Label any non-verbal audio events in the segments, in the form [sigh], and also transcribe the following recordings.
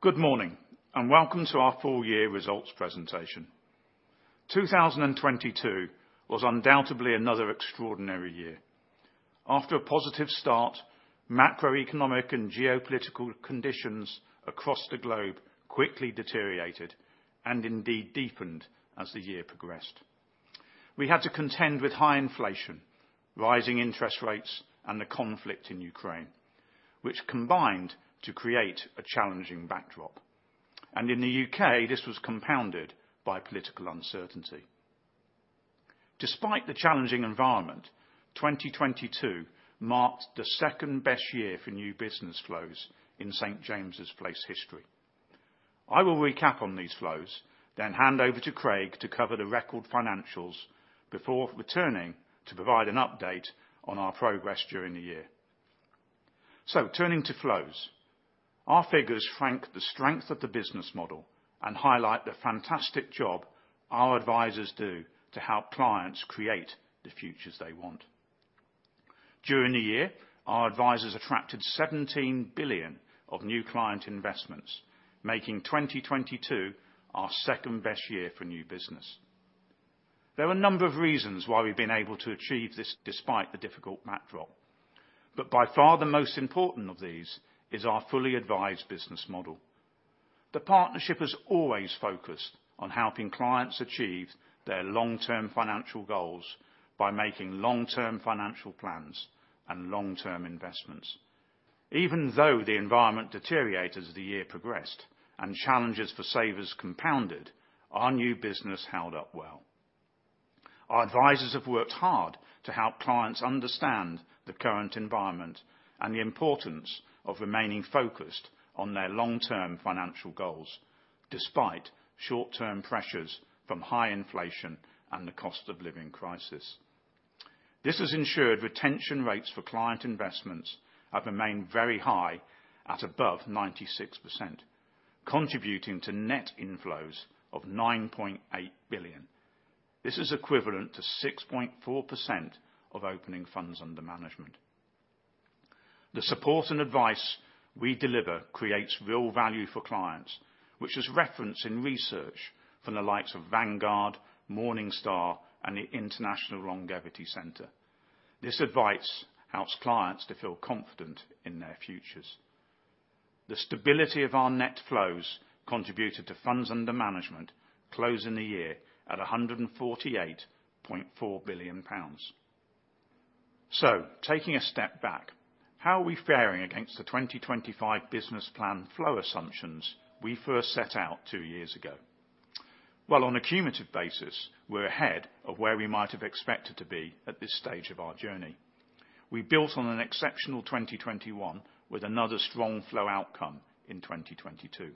Good morning and welcome to our full year results presentation. 2022 was undoubtedly another extraordinary year. After a positive start, macroeconomic and geopolitical conditions across the globe quickly deteriorated and indeed deepened as the year progressed. We had to contend with high inflation, rising interest rates, and the conflict in Ukraine, which combined to create a challenging backdrop. In the UK, this was compounded by political uncertainty. Despite the challenging environment, 2022 marked the second-best year for new business flows in St. James's Place history. I will recap on these flows, then hand over to Craig to cover the record financials before returning to provide an update on our progress during the year. Turning to flows. Our figures flank the strength of the business model and highlight the fantastic job our advisors do to help clients create the futures they want. During the year, our advisors attracted 17 billion of new client investments, making 2022 our second-best year for new business. There are a number of reasons why we've been able to achieve this despite the difficult backdrop, but by far the most important of these is our fully advised business model. The partnership has always focused on helping clients achieve their long-term financial goals by making long-term financial plans and long-term investments. Even though the environment deteriorated as the year progressed and challenges for savers compounded, our new business held up well. Our advisors have worked hard to help clients understand the current environment and the importance of remaining focused on their long-term financial goals despite short-term pressures from high inflation and the cost of living crisis. This has ensured retention rates for client investments have remained very high at above 96%, contributing to net inflows of 9.8 billion. This is equivalent to 6.4% of opening funds under management. The support and advice we deliver creates real value for clients, which is referenced in research from the likes of Vanguard, Morningstar, and the International Longevity Centre. This advice helps clients to feel confident in their futures. The stability of our net flows contributed to funds under management closing the year at 148.4 billion pounds. Taking a step back, how are we faring against the 2025 business plan flow assumptions we first set out two years ago? Well, on a cumulative basis, we're ahead of where we might have expected to be at this stage of our journey. We built on an exceptional 2021 with another strong flow outcome in 2022.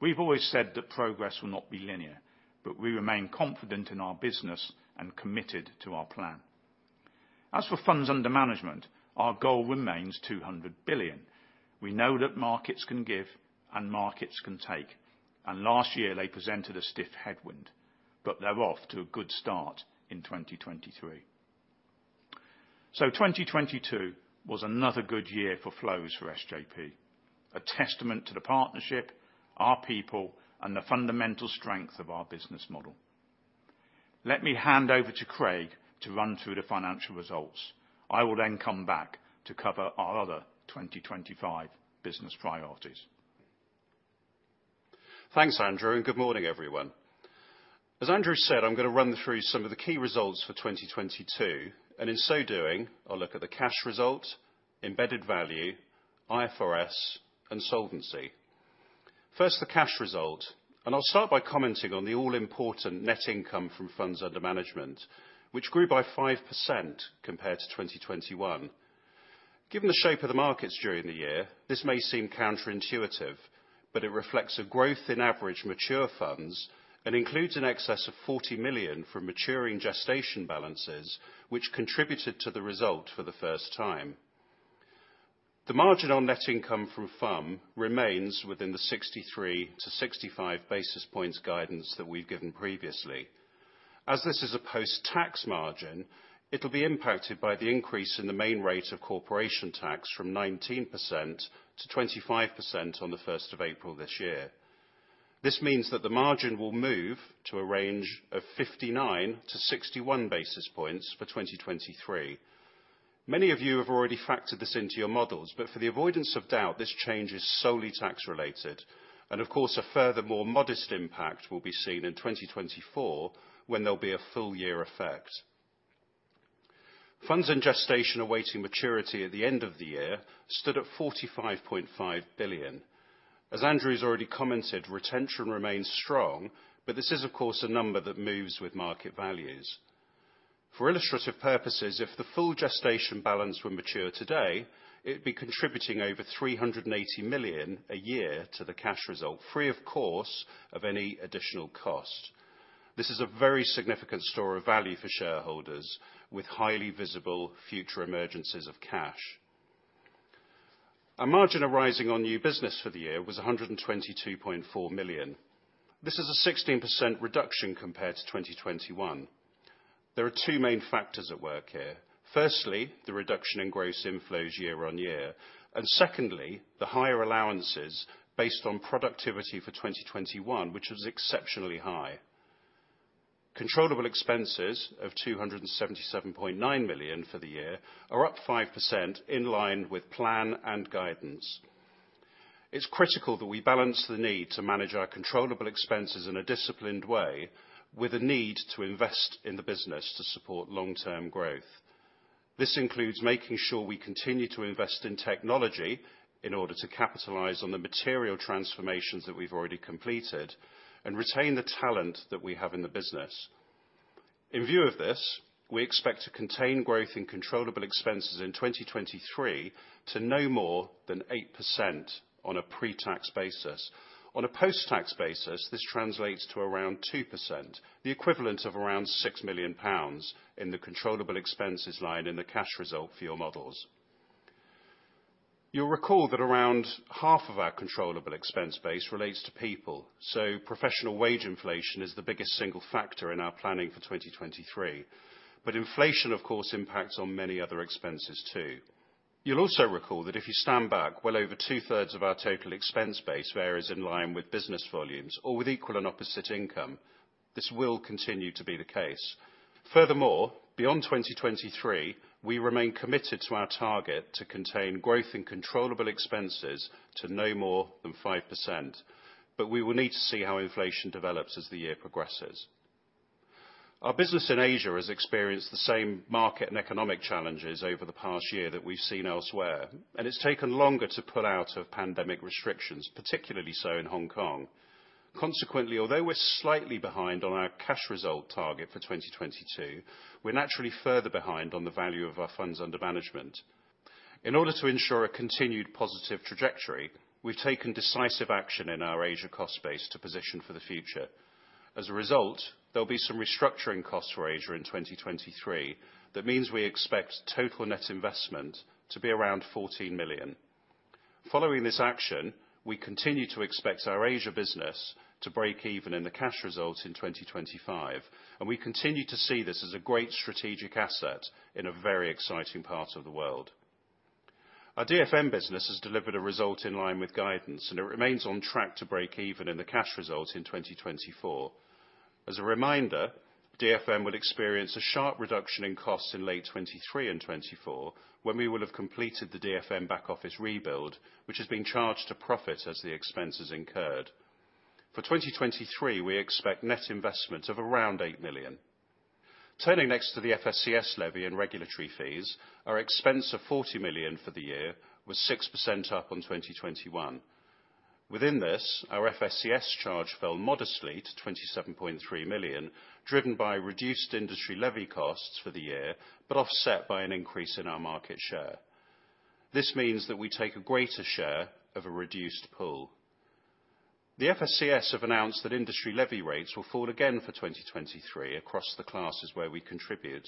We've always said that progress will not be linear, but we remain confident in our business and committed to our plan. As for funds under management, our goal remains 200 billion. We know that markets can give and markets can take, and last year they presented a stiff headwind, but they're off to a good start in 2023. 2022 was another good year for flows for SJP, a testament to the partnership, our people, and the fundamental strength of our business model. Let me hand over to Craig to run through the financial results. I will come back to cover our other 2025 business priorities. Thanks, Andrew, good morning, everyone. As Andrew said, I'm gonna run through some of the key results for 2022, in so doing, I'll look at the cash result, embedded value, IFRS, and solvency. First, the cash result, I'll start by commenting on the all-important net income from funds under management, which grew by 5% compared to 2021. Given the shape of the markets during the year, this may seem counterintuitive, it reflects a growth in average mature funds and includes in excess of 40 million from maturing gestation balances which contributed to the result for the first time. The margin on net income from FUM remains within the 63-to-65-basis points guidance that we've given previously. As this is a post-tax margin, it'll be impacted by the increase in the main rate of corporation tax from 19% to 25% on the 1 April 2022. This means that the margin will move to a range of 59-to-61-basis points for 2023. Many of you have already factored this into your models, for the avoidance of doubt, this change is solely tax related. Of course, a furthermore modest impact will be seen in 2024 when there'll be a full year effect. Funds in gestation awaiting maturity at the end of the year stood at 45.5 billion. As Andrew's already commented, retention remains strong, this is of course a number that moves with market values. For illustrative purposes, if the full gestation balance were mature today, it'd be contributing over 380 million a year to the cash result, free of course of any additional cost. This is a very significant store of value for shareholders with highly visible future emergences of cash. Our margin arising on new business for the year was 122.4 million. This is a 16% reduction compared to 2021. There are two main factors at work here. Firstly, the reduction in gross inflows year-on-year, and secondly, the higher allowances based on productivity for 2021, which was exceptionally high. Controllable expenses of 277.9 million for the year are up 5% in line with plan and guidance. It's critical that we balance the need to manage our controllable expenses in a disciplined way with the need to invest in the business to support long-term growth. This includes making sure we continue to invest in technology in order to capitalize on the material transformations that we've already completed and retain the talent that we have in the business. In view of this, we expect to contain growth in controllable expenses in 2023 to no more than 8% on a pre-tax basis. On a post-tax basis, this translates to around 2%, the equivalent of around 6 million pounds in the controllable expenses line in the cash result for your models. You'll recall that around half of our controllable expense base relates to people, so professional wage inflation is the biggest single factor in our planning for 2023. Inflation, of course, impacts on many other expenses, too. You'll also recall that if you stand back, well over 2/3 of our total expense base varies in line with business volumes or with equal and opposite income. This will continue to be the case. Furthermore, beyond 2023, we remain committed to our target to contain growth in controllable expenses to no more than 5%. We will need to see how inflation develops as the year progresses. Our business in Asia has experienced the same market and economic challenges over the past year that we've seen elsewhere, and it's taken longer to pull out of pandemic restrictions, particularly so in Hong Kong. Consequently, although we're slightly behind on our cash result target for 2022, we're naturally further behind on the value of our funds under management. In order to ensure a continued positive trajectory, we've taken decisive action in our Asia cost base to position for the future. As a result, there'll be some restructuring costs for Asia in 2023. That means we expect total net investment to be around 14 million. Following this action, we continue to expect our Asia business to break even in the cash result in 2025, and we continue to see this as a great strategic asset in a very exciting part of the world. Our DFM business has delivered a result in line with guidance, and it remains on track to break even in the cash result in 2024. As a reminder, DFM would experience a sharp reduction in costs in late 2023 and 2024 when we will have completed the DFM back-office rebuild, which is being charged to profit as the expense is incurred. For 2023, we expect net investment of around 8 million. Turning next to the FSCS levy and regulatory fees, our expense of 40 million for the year was 6% up on 2021. Within this, our FSCS charge fell modestly to 27.3 million, driven by reduced industry levy costs for the year, but offset by an increase in our market share. This means that we take a greater share of a reduced pool. The FSCS have announced that industry levy rates will fall again for 2023 across the classes where we contribute.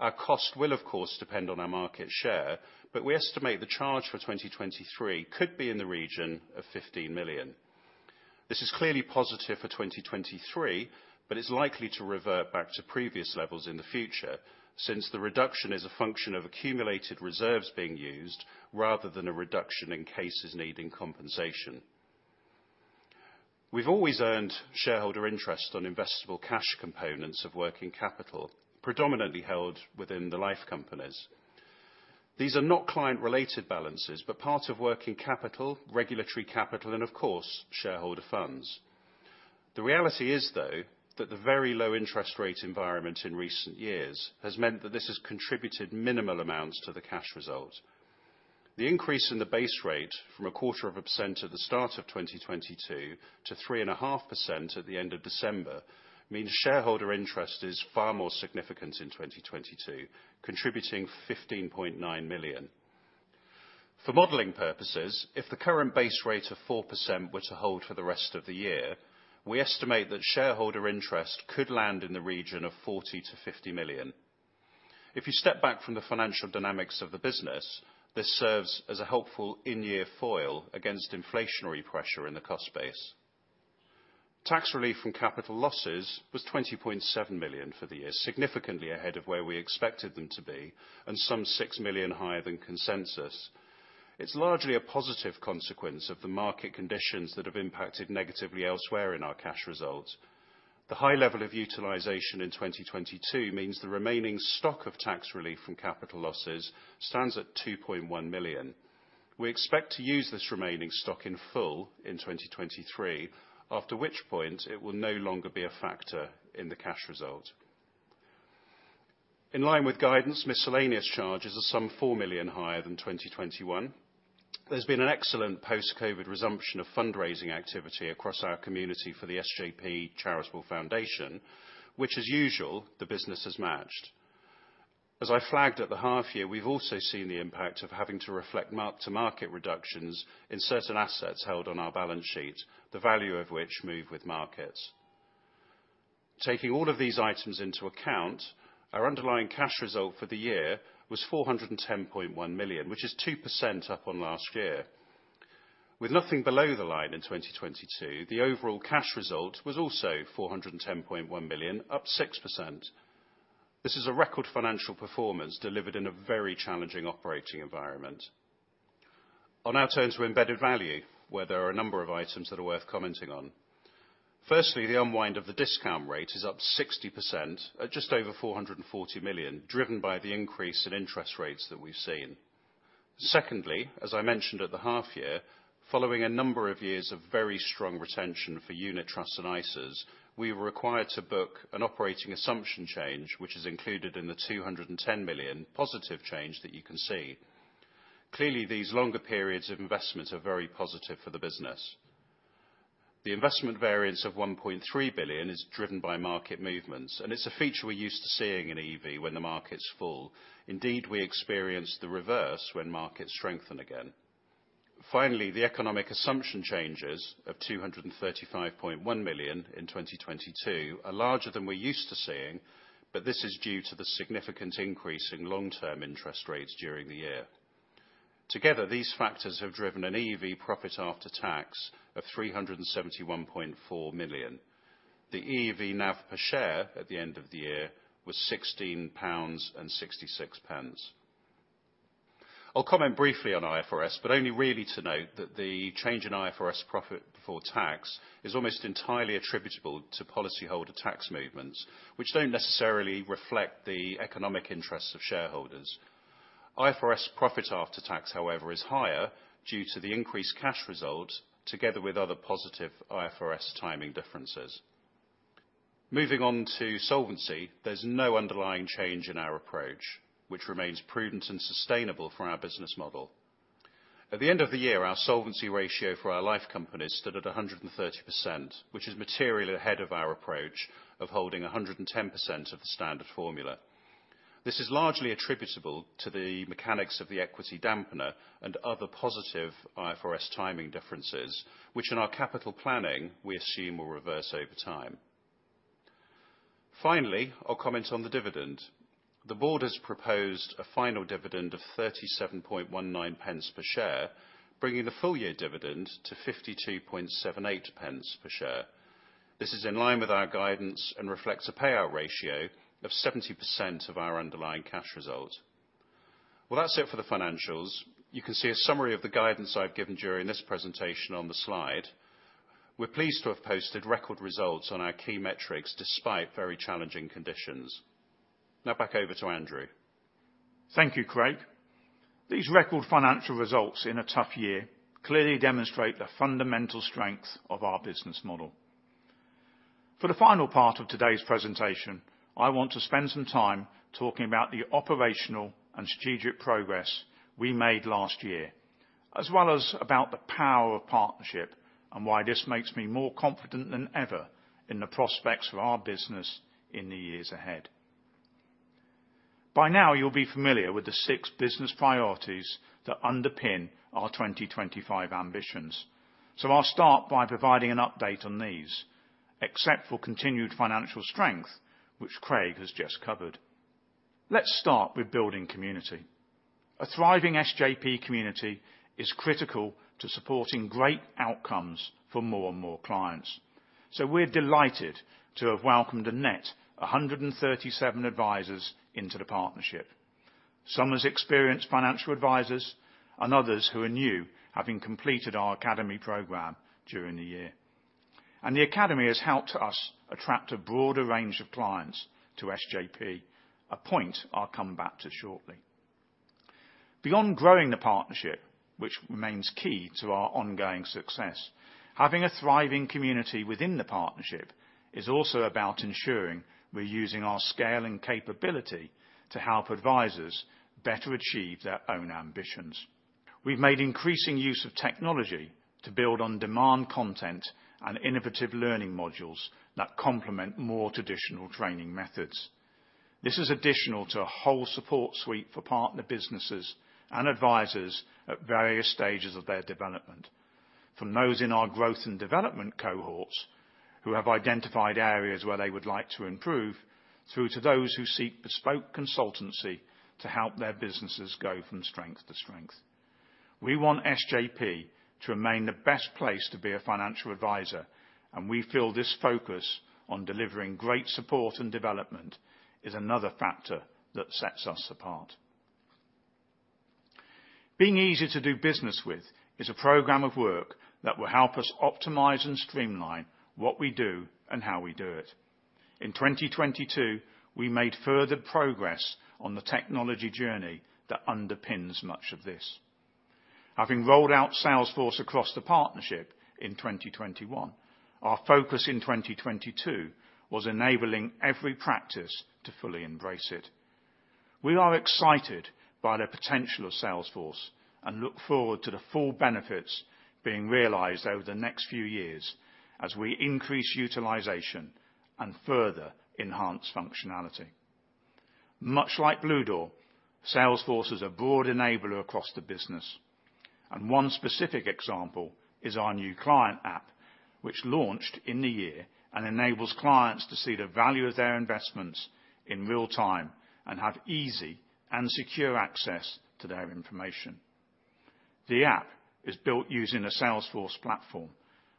Our cost will, of course, depend on our market share, but we estimate the charge for 2023 could be in the region of 15 million. This is clearly positive for 2023, but it's likely to revert back to previous levels in the future, since the reduction is a function of accumulated reserves being used rather than a reduction in cases needing compensation. We've always earned shareholder interest on investable cash components of working capital, predominantly held within the life companies. These are not client-related balances, but part of working capital, regulatory capital, and of course, shareholder funds. The reality is, though, that the very low interest rate environment in recent years has meant that this has contributed minimal amounts to the cash result. The increase in the base rate from a quarter of a percent at the start of 2022 to 3.5% at the end of December means shareholder interest is far more significant in 2022, contributing 15.9 million. For modeling purposes, if the current base rate of 4% were to hold for the rest of the year, we estimate that shareholder interest could land in the region of 40 million-50 million. If you step back from the financial dynamics of the business, this serves as a helpful in-year foil against inflationary pressure in the cost base. Tax relief from capital losses was 20.7 million for the year, significantly ahead of where we expected them to be, some 6 million higher than consensus. It's largely a positive consequence of the market conditions that have impacted negatively elsewhere in our cash results. The high level of utilization in 2022 means the remaining stock of tax relief from capital losses stands at 2.1 million. We expect to use this remaining stock in full in 2023, after which point it will no longer be a factor in the cash result. In line with guidance, miscellaneous charges are some 4 million higher than 2021. There's been an excellent post-COVID resumption of fundraising activity across our community for the SJP Charitable Foundation, which as usual, the business has matched. As I flagged at the half year, we've also seen the impact of having to reflect mark-to-market reductions in certain assets held on our balance sheet, the value of which move with markets. Taking all of these items into account, our underlying cash result for the year was 410.1 million, which is 2% up on last year. With nothing below the line in 2022, the overall cash result was also 410.1 million, up 6%. This is a record financial performance delivered in a very challenging operating environment. On our terms of embedded value, where there are a number of items that are worth commenting on. Firstly, the unwind of the discount rate is up 60% at just over 440 million, driven by the increase in interest rates that we've seen. Secondly, as I mentioned at the half year, following a number of years of very strong retention for unit trusts and ISAs, we were required to book an operating assumption change, which is included in the 210 million positive change that you can see. These longer periods of investments are very positive for the business. The investment variance of 1.3 billion is driven by market movements, and it's a feature we're used to seeing in EEV when the market's full. Indeed, we experience the reverse when markets strengthen again. The economic assumption changes of 235.1 million in 2022 are larger than we're used to seeing, this is due to the significant increase in long-term interest rates during the year. Together, these factors have driven an EEV profit after tax of 371.4 million. The EEV NAV per share at the end of the year was 16.66 pounds. I'll comment briefly on IFRS, only really to note that the change in IFRS profit before tax is almost entirely attributable to policyholder tax movements, which don't necessarily reflect the economic interests of shareholders. IFRS profit after tax, however, is higher due to the increased cash results together with other positive IFRS timing differences. Moving on to solvency, there's no underlying change in our approach, which remains prudent and sustainable for our business model. At the end of the year, our solvency ratio for our life companies stood at 130%, which is materially ahead of our approach of holding 110% of the standard formula. This is largely attributable to the mechanics of the equity dampener and other positive IFRS timing differences, which in our capital planning, we assume will reverse over time. I'll comment on the dividend. The board has proposed a final dividend of 37.19 per share, bringing the full year dividend to 52.78 per share. This is in line with our guidance and reflects a payout ratio of 70% of our underlying cash results. Well, that's it for the financials. You can see a summary of the guidance I've given during this presentation on the slide. We're pleased to have posted record results on our key metrics despite very challenging conditions. Back over to Andrew. Thank you, Craig. These record financial results in a tough year clearly demonstrate the fundamental strength of our business model. For the final part of today's presentation, I want to spend some time talking about the operational and strategic progress we made last year, as well as about the power of partnership and why this makes me more confident than ever in the prospects for our business in the years ahead. By now, you'll be familiar with the six business priorities that underpin our 2025 ambitions. I'll start by providing an update on these, except for continued financial strength, which Craig has just covered. Let's start with building community. A thriving SJP community is critical to supporting great outcomes for more and more clients. We're delighted to have welcomed a net 137 advisors into the partnership. Some has experienced financial advisors and others who are new, having completed our academy program during the year. The academy has helped us attract a broader range of clients to SJP, a point I'll come back to shortly. Beyond growing the partnership, which remains key to our ongoing success, having a thriving community within the partnership is also about ensuring we're using our scale and capability to help advisors better achieve their own ambitions. We've made increasing use of technology to build on-demand content and innovative learning modules that complement more traditional training methods. This is additional to a whole support suite for partner businesses and advisors at various stages of their development. From those in our growth and development cohorts who have identified areas where they would like to improve through to those who seek bespoke consultancy to help their businesses go from strength to strength. We want SJP to remain the best place to be a financial advisor, and we feel this focus on delivering great support and development is another factor that sets us apart. Being easy to do business with is a program of work that will help us optimize and streamline what we do and how we do it. In 2022, we made further progress on the technology journey that underpins much of this. Having rolled out Salesforce across the partnership in 2021, our focus in 2022 was enabling every practice to fully embrace it. We are excited by the potential of Salesforce and look forward to the full benefits being realized over the next few years as we increase utilization and further enhance functionality. Much like Bluedoor, Salesforce is a broad enabler across the business. One specific example is our new client app, which launched in the year and enables clients to see the value of their investments in real time and have easy and secure access to their information. The app is built using a Salesforce platform,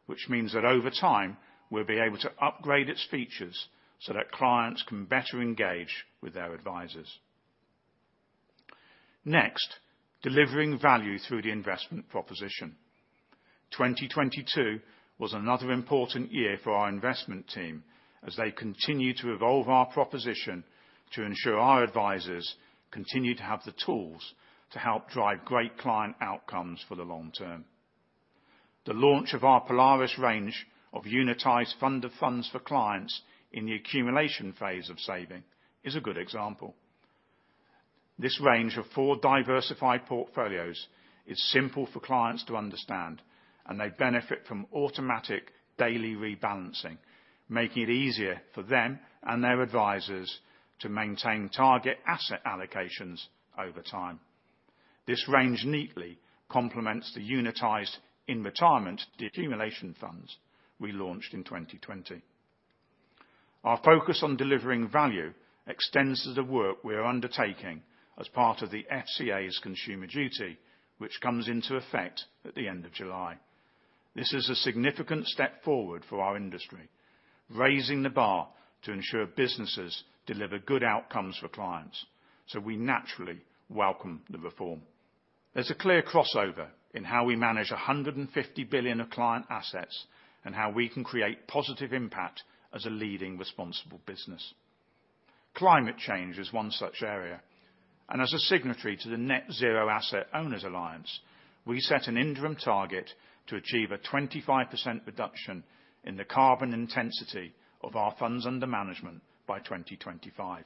which means that over time we'll be able to upgrade its features so that clients can better engage with their advisors. Next, delivering value through the investment proposition. 2022 was another important year for our investment team as they continue to evolve our proposition to ensure our advisors continue to have the tools to help drive great client outcomes for the long term. The launch of our Polaris range of unitized fund of funds for clients in the accumulation phase of saving is a good example. This range of four diversified portfolios is simple for clients to understand, and they benefit from automatic daily rebalancing, making it easier for them and their advisors to maintain target asset allocations over time. This range neatly complements the unitized in retirement deaccumulation funds we launched in 2020. Our focus on delivering value extends to the work we are undertaking as part of the FCA's Consumer Duty, which comes into effect at the end of July. This is a significant step forward for our industry, raising the bar to ensure businesses deliver good outcomes for clients. We naturally welcome the reform. There's a clear crossover in how we manage 150 billion of client assets and how we can create positive impact as a leading responsible business. Climate change is one such area. As a signatory to the Net-Zero Asset Owner Alliance, we set an interim target to achieve a 25% reduction in the carbon intensity of our funds under management by 2025.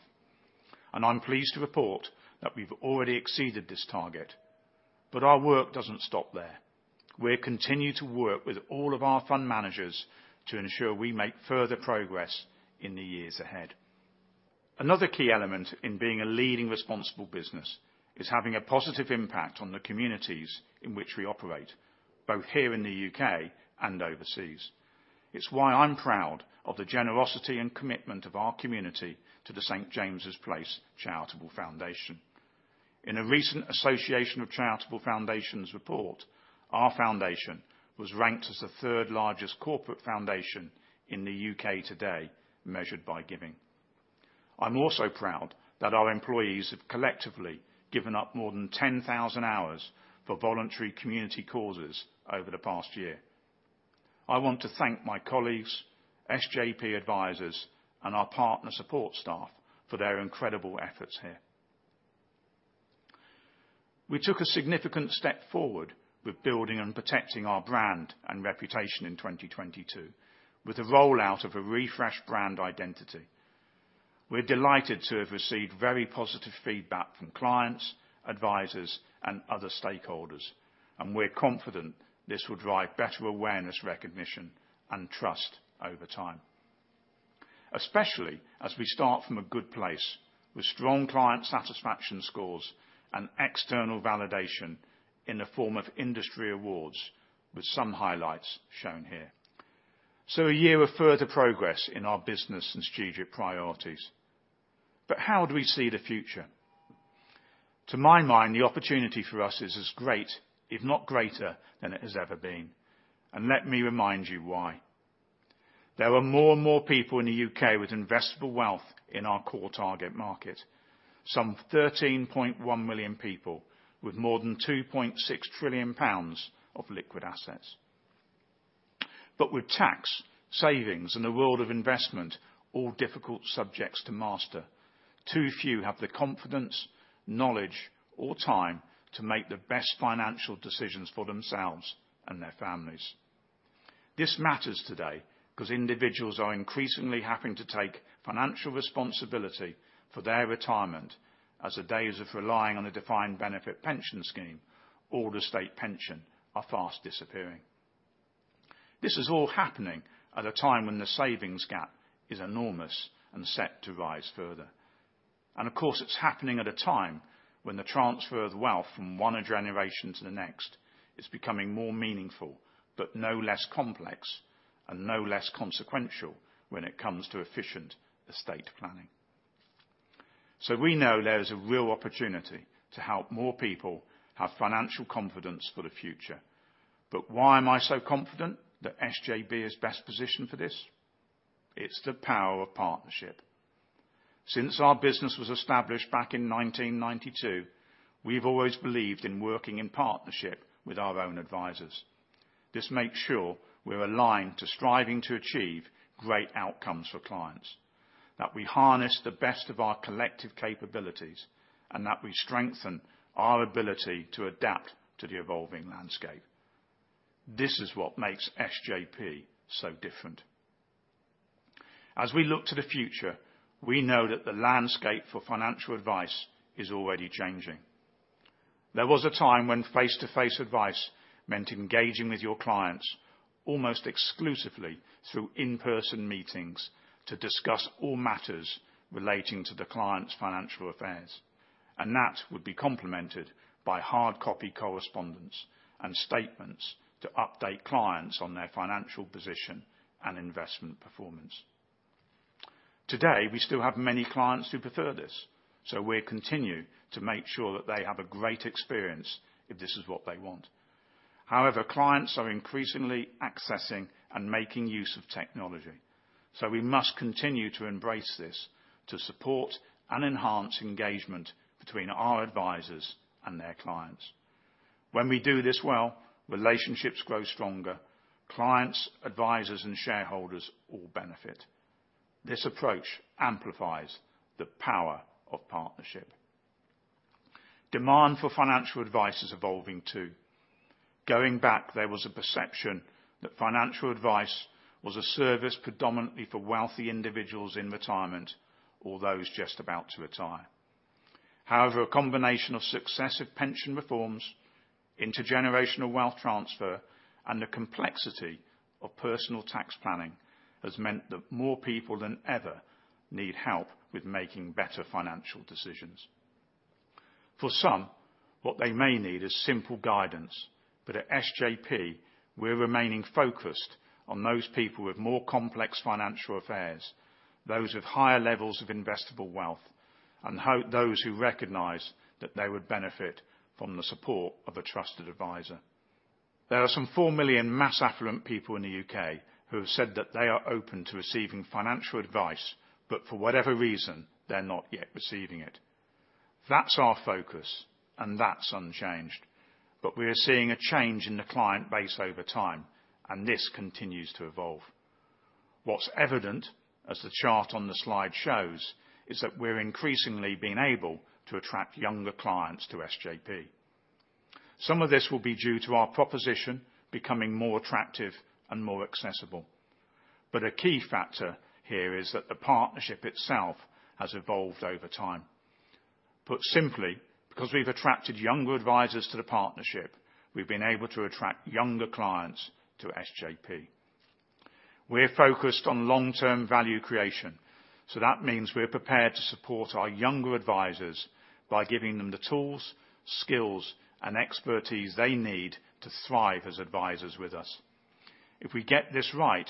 I'm pleased to report that we've already exceeded this target. Our work doesn't stop there. We'll continue to work with all of our fund managers to ensure we make further progress in the years ahead. Another key element in being a leading responsible business is having a positive impact on the communities in which we operate, both here in the UK and overseas. It's why I'm proud of the generosity and commitment of our community to the St. James's Place Charitable Foundation. In a recent Association of Charitable Foundations report, our foundation was ranked as the third-largest corporate foundation in the UK today, measured by giving. I'm also proud that our employees have collectively given up more than 10,000 hours for voluntary community causes over the past year. I want to thank my colleagues, SJP advisors, and our partner support staff for their incredible efforts here. We took a significant step forward with building and protecting our brand and reputation in 2022 with the rollout of a refreshed brand identity. We're delighted to have received very positive feedback from clients, advisors, and other stakeholders, and we're confident this will drive better awareness, recognition, and trust over time. Especially as we start from a good place with strong client satisfaction scores and external validation in the form of industry awards, with some highlights shown here. A year of further progress in our business and strategic priorities. How do we see the future? To my mind, the opportunity for us is as great, if not greater, than it has ever been, and let me remind you why. There are more and more people in the U.K. with investable wealth in our core target market. Some 13.1 million people with more than 2.6 trillion pounds of liquid assets. With tax, savings, and a world of investment, all difficult subjects to master, too few have the confidence, knowledge, or time to make the best financial decisions for themselves and their families. This matters today 'cause individuals are increasingly having to take financial responsibility for their retirement as the days of relying on a defined benefit pension scheme or the state pension are fast disappearing. This is all happening at a time when the savings gap is enormous and set to rise further. Of course, it's happening at a time when the transfer of wealth from one generation to the next is becoming more meaningful, but no less complex and no less consequential when it comes to efficient estate planning. We know there's a real opportunity to help more people have financial confidence for the future. Why am I so confident that SJP is best positioned for this? It's the power of partnership. Since our business was established back in 1992, we've always believed in working in partnership with our own advisors. This makes sure we're aligned to striving to achieve great outcomes for clients, that we harness the best of our collective capabilities, and that we strengthen our ability to adapt to the evolving landscape. This is what makes SJP so different. As we look to the future, we know that the landscape for financial advice is already changing. There was a time when face-to-face advice meant engaging with your clients almost exclusively through in-person meetings to discuss all matters relating to the client's financial affairs. That would be complemented by hard copy correspondence and statements to update clients on their financial position and investment performance. Today, we still have many clients who prefer this, so we continue to make sure that they have a great experience if this is what they want. However, clients are increasingly accessing and making use of technology, so we must continue to embrace this to support and enhance engagement between our advisors and their clients. When we do this well, relationships grow stronger, clients, advisors, and shareholders all benefit. This approach amplifies the power of partnership. Demand for financial advice is evolving, too. Going back, there was a perception that financial advice was a service predominantly for wealthy individuals in retirement or those just about to retire. However, a combination of successive pension reforms, intergenerational wealth transfer, and the complexity of personal tax planning has meant that more people than ever need help with making better financial decisions. For some, what they may need is simple guidance. At SJP, we're remaining focused on those people with more complex financial affairs, those with higher levels of investable wealth, and hope those who recognize that they would benefit from the support of a trusted advisor. There are some 4 million mass affluent people in the UK who have said that they are open to receiving financial advice, but for whatever reason, they're not yet receiving it. That's our focus, and that's unchanged. We are seeing a change in the client base over time, and this continues to evolve. What's evident, as the chart on the slide shows, is that we're increasingly being able to attract younger clients to SJP. Some of this will be due to our proposition becoming more attractive and more accessible. A key factor here is that the partnership itself has evolved over time. Put simply, because we've attracted younger advisors to the partnership, we've been able to attract younger clients to SJP. We're focused on long-term value creation, so that means we are prepared to support our younger advisors by giving them the tools, skills, and expertise they need to thrive as advisors with us. If we get this right,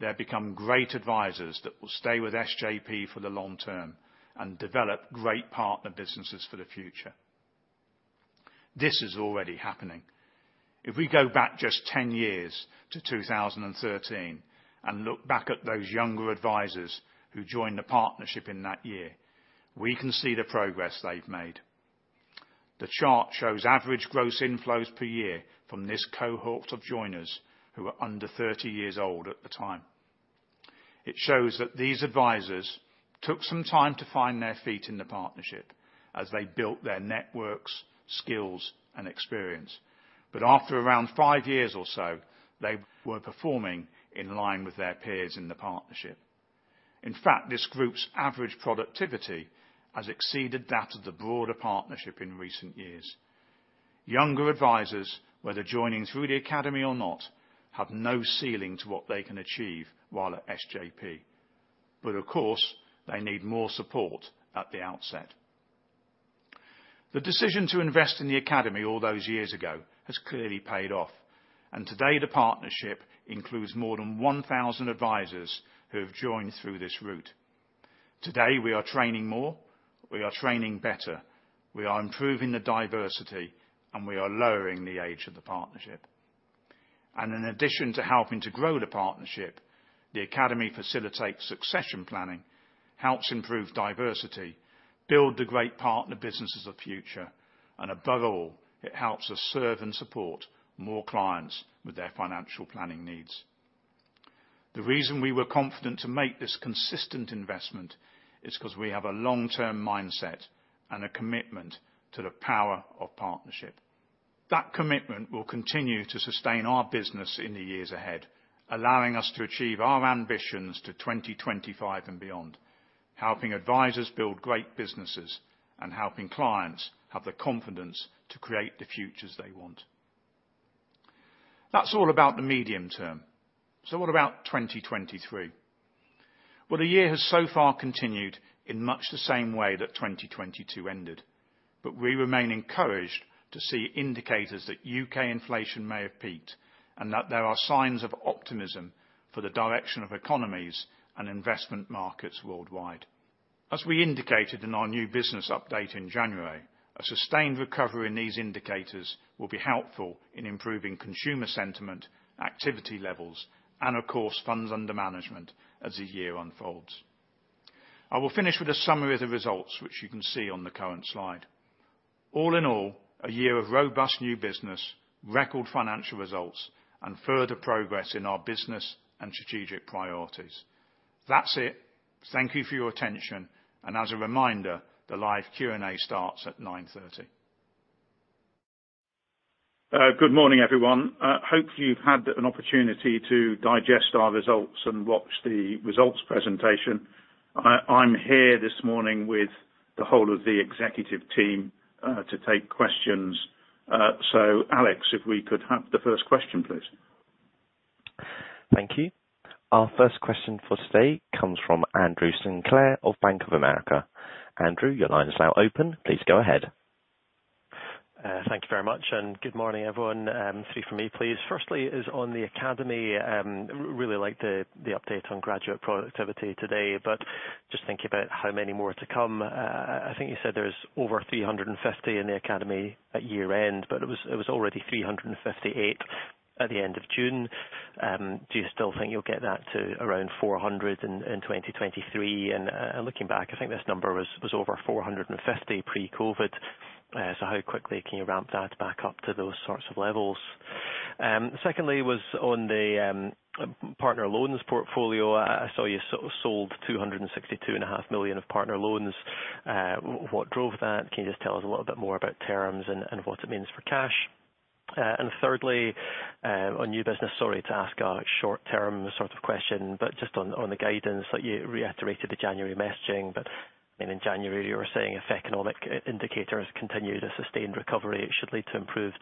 they'll become great advisors that will stay with SJP for the long term and develop great partner businesses for the future. This is already happening. If we go back just 10 years to 2013 and look back at those younger advisors who joined the partnership in that year, we can see the progress they've made. The chart shows average gross inflows per year from this cohort of joiners who were under 30 years old at the time. It shows that these advisors took some time to find their feet in the partnership as they built their networks, skills, and experience. After around five years or so, they were performing in line with their peers in the partnership. In fact, this group's average productivity has exceeded that of the broader partnership in recent years. Younger advisors, whether joining through the academy or not, have no ceiling to what they can achieve while at SJP. Of course, they need more support at the outset. The decision to invest in the academy all those years ago has clearly paid off. Today, the partnership includes more than 1,000 advisors who have joined through this route. Today, we are training more, we are training better, we are improving the diversity, and we are lowering the age of the partnership. In addition to helping to grow the partnership, the academy facilitates succession planning, helps improve diversity, build the great partner businesses of future, and above all, it helps us serve and support more clients with their financial planning needs. The reason we were confident to make this consistent investment is 'cause we have a long-term mindset and a commitment to the power of partnership. That commitment will continue to sustain our business in the years ahead, allowing us to achieve our ambitions to 2025 and beyond, helping advisors build great businesses and helping clients have the confidence to create the futures they want. That's all about the medium term. What about 2023? Well, the year has so far continued in much the same way that 2022 ended, we remain encouraged to see indicators that UK inflation may have peaked and that there are signs of optimism for the direction of economies and investment markets worldwide. As we indicated in our new business update in January, a sustained recovery in these indicators will be helpful in improving consumer sentiment, activity levels, and of course, funds under management as the year unfolds. I will finish with a summary of the results, which you can see on the current slide. All in all, a year of robust new business, record financial results, and further progress in our business and strategic priorities. That's it. Thank you for your attention. As a reminder, the live Q&A starts at 9:30AM. Good morning, everyone. Hopefully you've had an opportunity to digest our results and watch the results presentation. I'm here this morning with the whole of the executive team, to take questions. Alex, if we could have the first question, please. Thank you. Our first question for today comes from Andrew Sinclair of Bank of America. Andrew, your line is now open. Please go ahead. Thank you very much, and good morning, everyone. Three from me, please. Firstly is on the academy. Really liked the update on graduate productivity today, but just thinking about how many more to come? I think you said there's over 350 in the academy at year-end, but it was already 358 at the end of June. Do you still think you'll get that to around 400 in 2023? Looking back, I think this number was over 450 pre-COVID. How quickly can you ramp that back up to those sorts of levels? Secondly was on the partner loans portfolio. I saw you sold 262.5 million of partner loans. What drove that? Can you just tell us a little bit more about terms and what it means for cash? Thirdly, on new business, sorry to ask a short-term sort of question, but just on the guidance that you reiterated the January messaging. In January you were saying if economic indicators continue to sustain recovery, it should lead to improved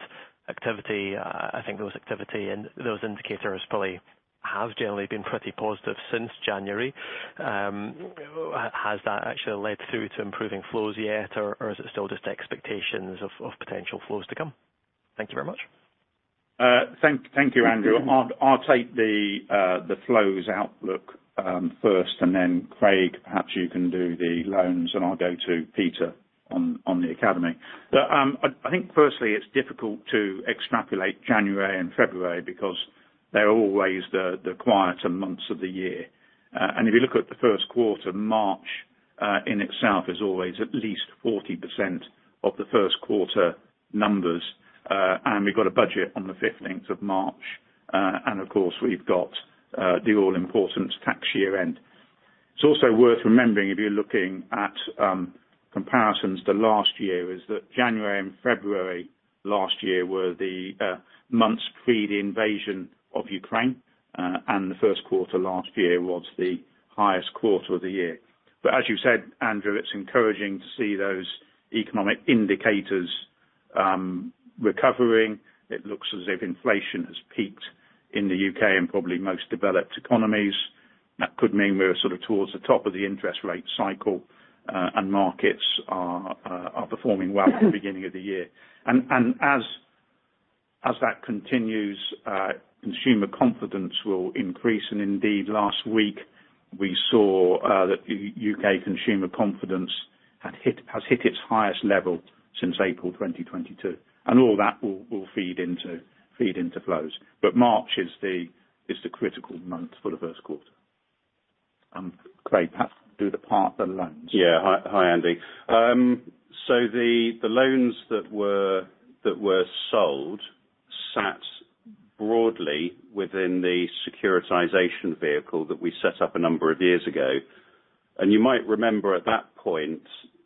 activity. I think those activity and those indicators probably have generally been pretty positive since January. Has that actually led through to improving flows yet, or is it still just expectations of potential flows to come? Thank you very much. Thank you, Andrew. I'll take the flows outlook first, then Craig, perhaps you can do the loans, and I'll go to Peter on the academy. I think firstly it's difficult to extrapolate January and February because they're always the quieter months of the year. If you look at the first quarter, March, in itself is always at least 40% of the first quarter numbers. We've got a budget on the 15 March 2023. Of course we've got the all-important tax year end. It's also worth remembering if you're looking at comparisons to last year is that January and February last year were the months pre the invasion of Ukraine. The first quarter last year was the highest quarter of the year. As you said, Andrew, it's encouraging to see those economic indicators recovering. It looks as if inflation has peaked in the UK and probably most developed economies. That could mean we're sort of towards the top of the interest rate cycle, and markets are performing well at the beginning of the year. As that continues, consumer confidence will increase. Indeed, last week we saw that UK consumer confidence has hit its highest level since April 2022. All that will feed into flows. March is the critical month for the first quarter. Craig, perhaps do the partner loans. Hi Andy. The loans that were sold sat broadly within the securitization vehicle that we set up a number of years ago. You might remember at that point,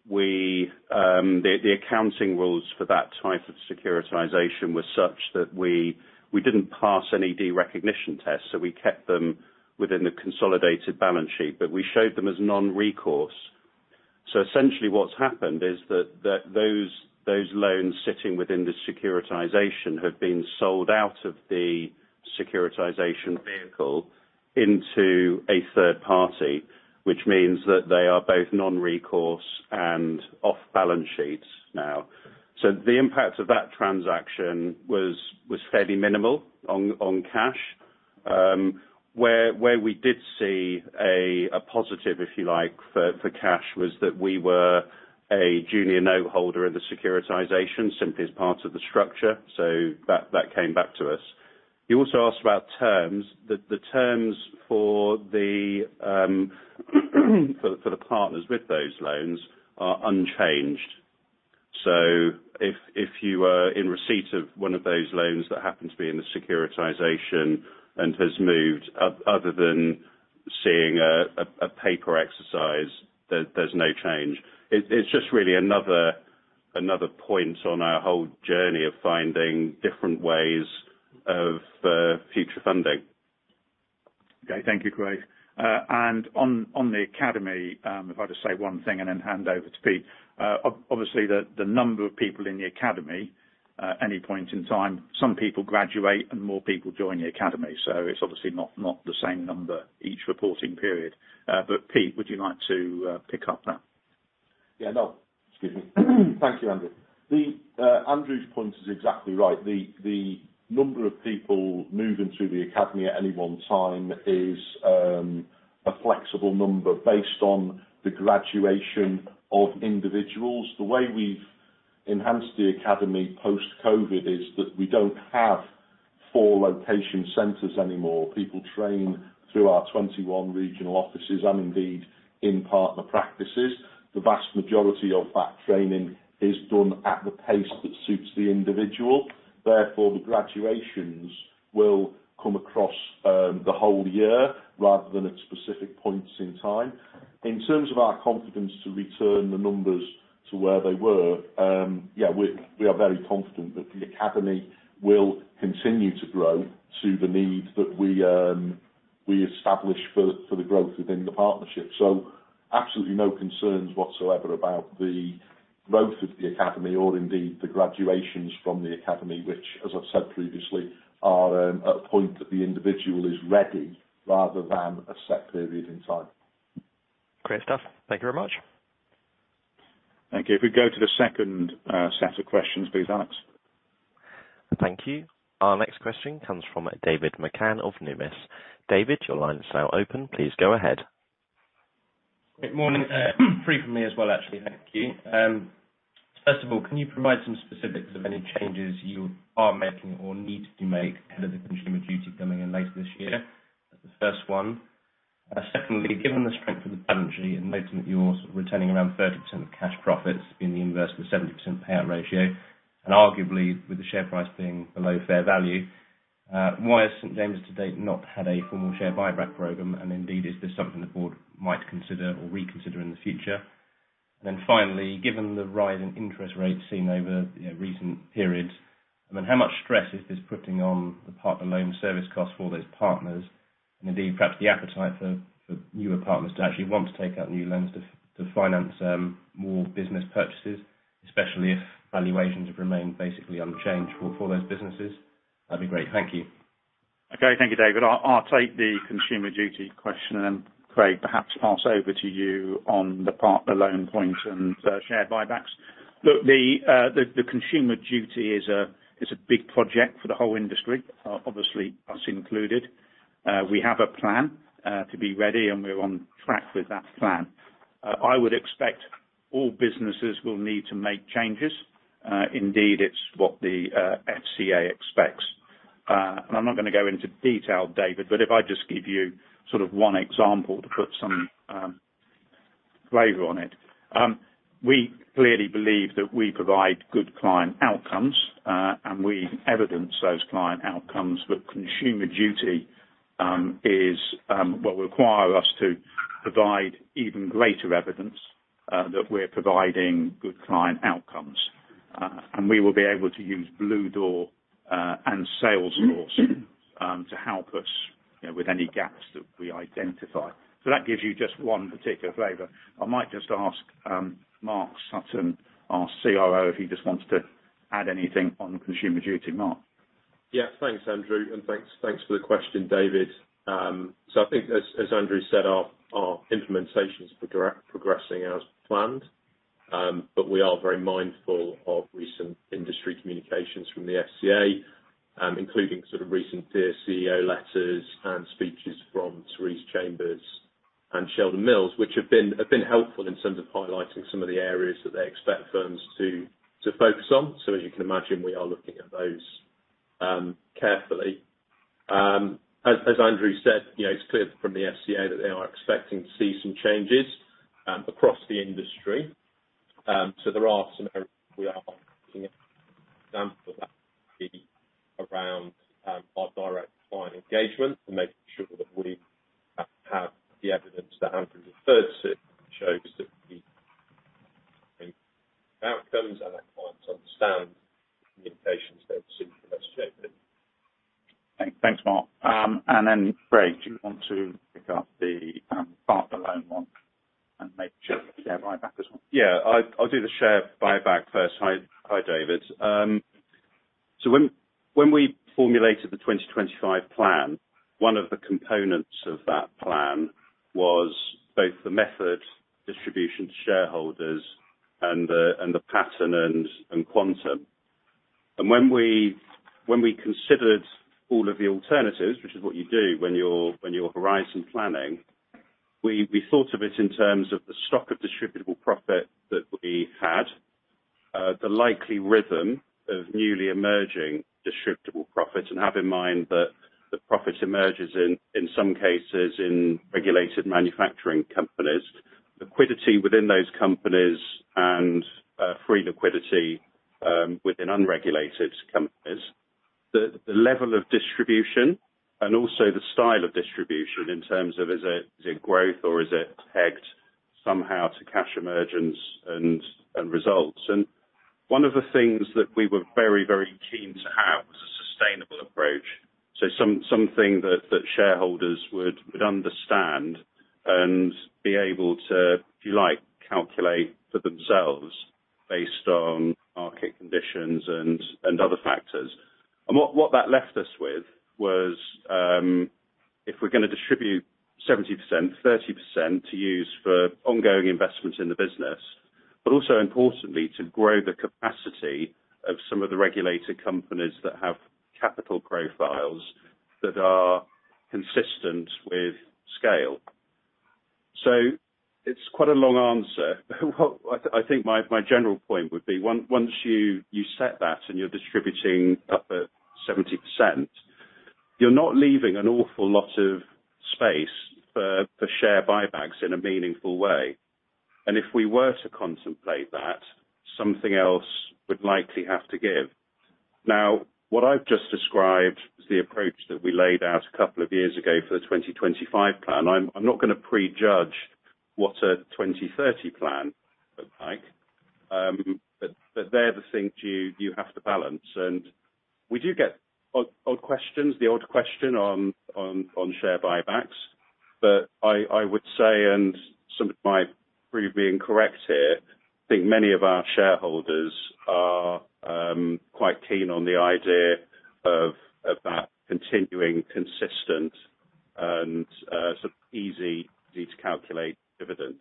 we the accounting rules for that type of securitization were such that we didn't pass any derecognition tests, so we kept them within the consolidated balance sheet, but we showed them as non-recourse. Essentially what's happened is that those loans sitting within the securitization have been sold out of the securitization vehicle into a third party, which means that they are both non-recourse and off-balance sheets now. The impact of that transaction was fairly minimal on cash. Where we did see a positive, if you like, for cash, was that we were a junior note holder in the securitization simply as part of the structure. That came back to us. You also asked about terms. The terms for the partners with those loans are unchanged. If you are in receipt of one of those loans that happen to be in the securitization and has moved, other than seeing a paper exercise, there's no change. It's just really another point on our whole journey of finding different ways of future funding. Okay, thank you, Craig. On the academy, if I just say one thing and then hand over to Pete. Obviously the number of people in the academy at any point in time, some people graduate and more people join the academy, so it's obviously not the same number each reporting period. Pete, would you like to pick up that? Yeah, no. Excuse me. Thank you, Andrew. The Andrew's point is exactly right. The number of people moving through the academy at any one time is a flexible number based on the graduation of individuals. The way we've enhanced the academy post-COVID is that we don't have four location centers anymore. People train through our 21 regional offices and indeed in partner practices. The vast majority of that training is done at the pace that suits the individual. Therefore, the graduations will come across the whole year rather than at specific points in time. In terms of our confidence to return the numbers to where they were, yeah, we are very confident that the academy will continue to grow to the needs that we establish for the growth within the partnership. Absolutely no concerns whatsoever about the growth of the academy or indeed the graduations from the academy, which as I've said previously, are a point that the individual is ready rather than a set period in time. Great stuff. Thank you very much. Thank you. We go to the second set of questions, please, Alex. Thank you. Our next question comes from David McCann of Numis. David, your line is now open. Please go ahead. Good morning. Three for me as well, actually. Thank you. First of all, can you provide some specifics of any changes you are making or need to make out of the Consumer Duty coming in later this year? That's the first one. Secondly, given the strength of the treasury and noting that you're returning around 30% of cash profits in the inverse of the 70% payout ratio, and arguably, with the share price being below fair value, why has St. James, to date, not had a formal share buyback program? Indeed, is this something the board might consider or reconsider in the future? Finally, given the rise in interest rates seen over, you know, recent periods, I mean, how much stress is this putting on the partner loan service cost for those partners? Indeed, perhaps the appetite for newer partners to actually want to take out new loans to finance more business purchases, especially if valuations have remained basically unchanged for those businesses. That would be great. Thank you. Thank you, David. I'll take the Consumer Duty question, Craig, perhaps pass over to you on the partner loan point and share buybacks. Look, the Consumer Duty is a big project for the whole industry, obviously us included. We have a plan to be ready, and we're on track with that plan. I would expect all businesses will need to make changes. Indeed, it's what the FCA expects. I'm not gonna go into detail, David, but if I just give you sort of one example to put some flavor on it. We clearly believe that we provide good client outcomes, and we evidence those client outcomes. Consumer Duty will require us to provide even greater evidence that we're providing good client outcomes. We will be able to use Bluedoor and Salesforce to help us, you know, with any gaps that we identify. So that gives you just one particular flavor. I might just ask Mark Sutton, our CRO, if he just wants to add anything on Consumer Duty. Mark? Yeah. Thanks, Andrew, and thanks for the question, David. I think as Andrew said, our implementation's progressing as planned. We are very mindful of recent industry communications from the FCA, including sort of recent peer CEO letters and speeches from Therese Chambers and Sheldon Mills, which have been helpful in terms of highlighting some of the areas that they expect firms to focus on. As you can imagine, we are looking at those carefully. As Andrew said, you know, it's clear from the FCA that they are expecting to see some changes across the industry. There are some areas we are looking at. An example of that would be around our direct client engagement and making sure that we have the evidence that Andrew referred to shows that the outcomes and our clients understand the implications they're seeing from the FCA. Thank-thanks, Mark. Then Craig, do you want to pick up the partner loan one and make sure share buyback as well? Yeah, I'll do the share buyback first. Hi, David. When we formulated the 2025 plan, one of the components of that plan was both the method distribution to shareholders and the pattern and quantum. When we considered all of the alternatives, which is what you do when you're horizon planning, we thought of it in terms of the stock of distributable profit that we had, the likely rhythm of newly emerging distributable profits, and have in mind that the profit emerges in some cases in regulated manufacturing companies. Liquidity within those companies and free liquidity within unregulated companies. The level of distribution and also the style of distribution in terms of is it growth or is it pegged somehow to cash emergence and results. One of the things that we were very, very keen to have was a sustainable approach. Something that shareholders would understand and be able to, if you like, calculate for themselves based on market conditions and other factors. What that left us with was, if we're gonna distribute 70%, 30% to use for ongoing investments in the business, but also importantly, to grow the capacity of some of the regulated companies that have capital profiles that are consistent with scale. It's quite a long answer. I think my general point would be once you set that and you're distributing up at 70%, you're not leaving an awful lot of space for share buybacks in a meaningful way. If we were to contemplate that, something else would likely have to give. What I've just described is the approach that we laid out a couple of years ago for the 2025 plan. I'm not gonna prejudge what a 2030 plan looks like. They're the things you have to balance. We do get odd questions, the odd question on share buybacks. I would say, and some of my purview being correct here I think many of our shareholders are quite keen on the idea of that continuing consistent and sort of easy to calculate dividend.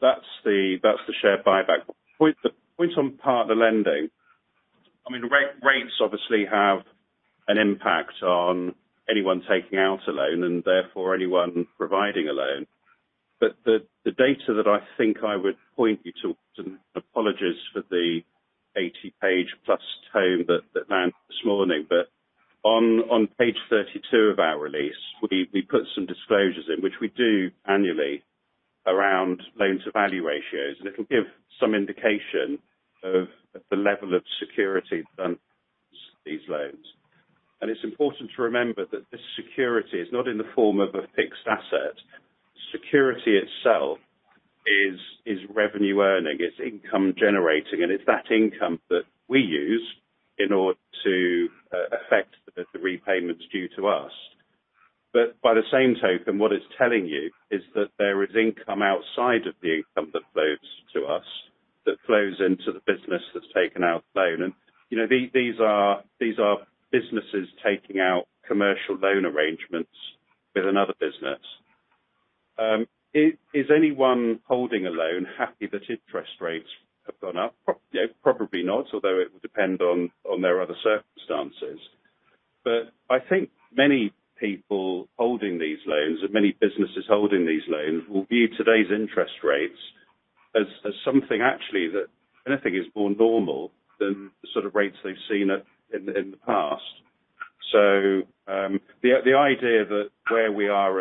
That's the share buyback. Point, the point on partner lending, I mean, rates obviously have an impact on anyone taking out a loan, and therefore anyone providing a loan. The data that I think I would point you to, and apologies for the 80-page plus tome that landed this morning. On page 32 of our release, we put some disclosures in which we do annually around loans to value ratios. It'll give some indication of the level of security that underpins these loans. It's important to remember that this security is not in the form of a fixed asset. Security itself is revenue earning. It's income generating, and it's that income that we use in order to affect the repayments due to us. By the same token, what it's telling you is that there is income outside of the income that flows to us, that flows into the business that's taken out the loan. You know, these are, these are businesses taking out commercial loan arrangements with another business. Is, is anyone holding a loan happy that interest rates have gone up? You know, probably not, although it would depend on their other circumstances. I think many people holding these loans, and many businesses holding these loans, will view today's interest rates as something actually that anything is more normal than the sort of rates they've seen in the past. The, the idea that where we are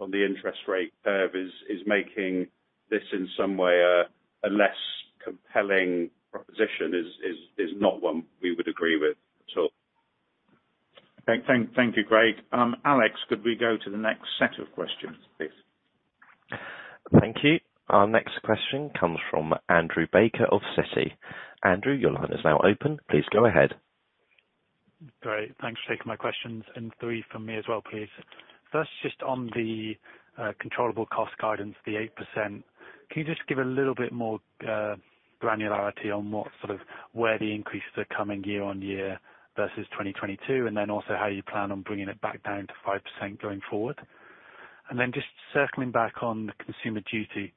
on the interest rate curve is making this in some way a less compelling proposition is, is not one we would agree with at all. Thank you, Craig. Alex, could we go to the next set of questions, please? Thank you. Our next question comes from Andrew Baker of Citi. Andrew, your line is now open. Please go ahead. Great. Thanks for taking my questions. Three from me as well, please. First, just on the controllable cost guidance, the 8%, can you just give a little bit more granularity on where the increases are coming year-on-year versus 2022? Also, how you plan on bringing it back down to 5% going forward. Just circling back on the Consumer Duty,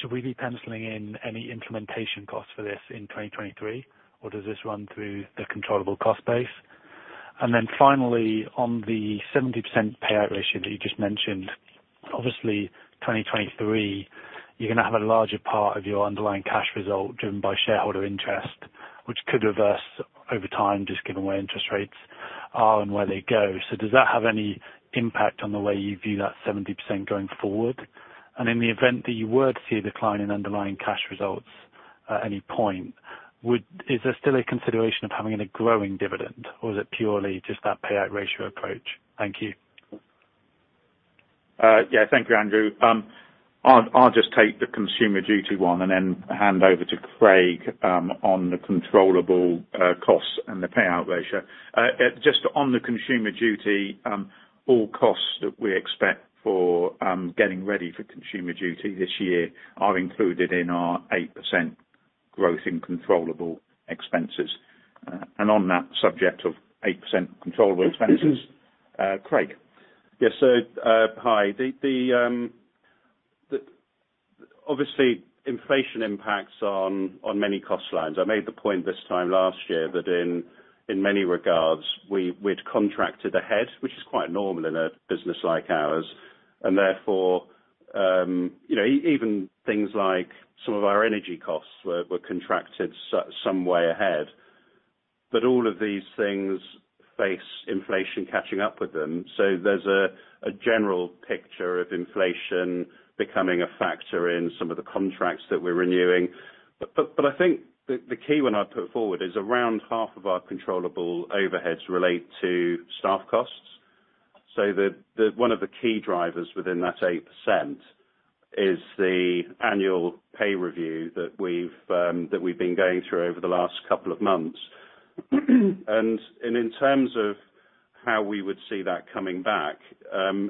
should we be penciling in any implementation costs for this in 2023, or does this run through the controllable cost base? Finally, on the 70% payout ratio that you just mentioned, obviously 2023, you're gonna have a larger part of your underlying cash result driven by shareholder interest, which could reverse over time just given where interest rates are and where they go. Does that have any impact on the way you view that 70% going forward? In the event that you were to see a decline in underlying cash results at any point, is there still a consideration of having a growing dividend, or is it purely just that payout ratio approach? Thank you. Yeah, thank you, Andrew. I'll just take the Consumer Duty one and then hand over to Craig on the controllable costs and the payout ratio. Just on the Consumer Duty, all costs that we expect for getting ready for Consumer Duty this year are included in our 8% growth in controllable expenses. On that subject of 8% controllable expenses, Craig. Hi. The obviously inflation impacts on many cost lines. I made the point this time last year that in many regards, we'd contracted ahead, which is quite normal in a business like ours. Therefore, you know, even things like some of our energy costs were contracted some way ahead. All of these things face inflation catching up with them. There's a general picture of inflation becoming a factor in some of the contracts that we're renewing. I think the key one I'd put forward is around half of our controllable overheads relate to staff costs. One of the key drivers within that 8% is the annual pay review that we've been going through over the last two months. In terms of how we would see that coming back,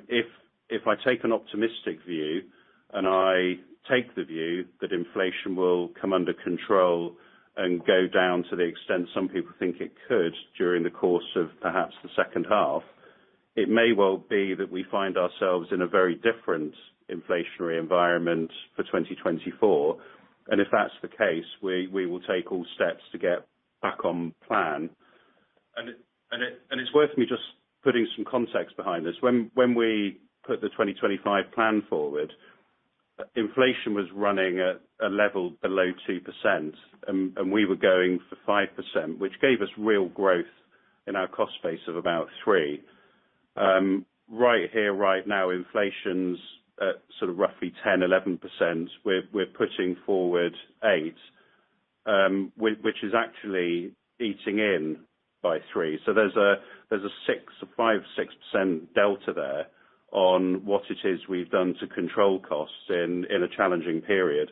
if I take an optimistic view, and I take the view that inflation will come under control and go down to the extent some people think it could during the course of perhaps the second half, it may well be that we find ourselves in a very different inflationary environment for 2024. If that's the case, we will take all steps to get back on plan. It's worth me just putting some context behind this. When we put the 2025 plan forward, inflation was running at a level below 2%, and we were going for 5%, which gave us real growth in our cost base of about 3%. Right here, right now, inflation's at sort of roughly 10%, 11%. We're putting forward 8%, which is actually eating in by 3%. There's a 6%, a 5% to 6% delta there on what it is we've done to control costs in a challenging period.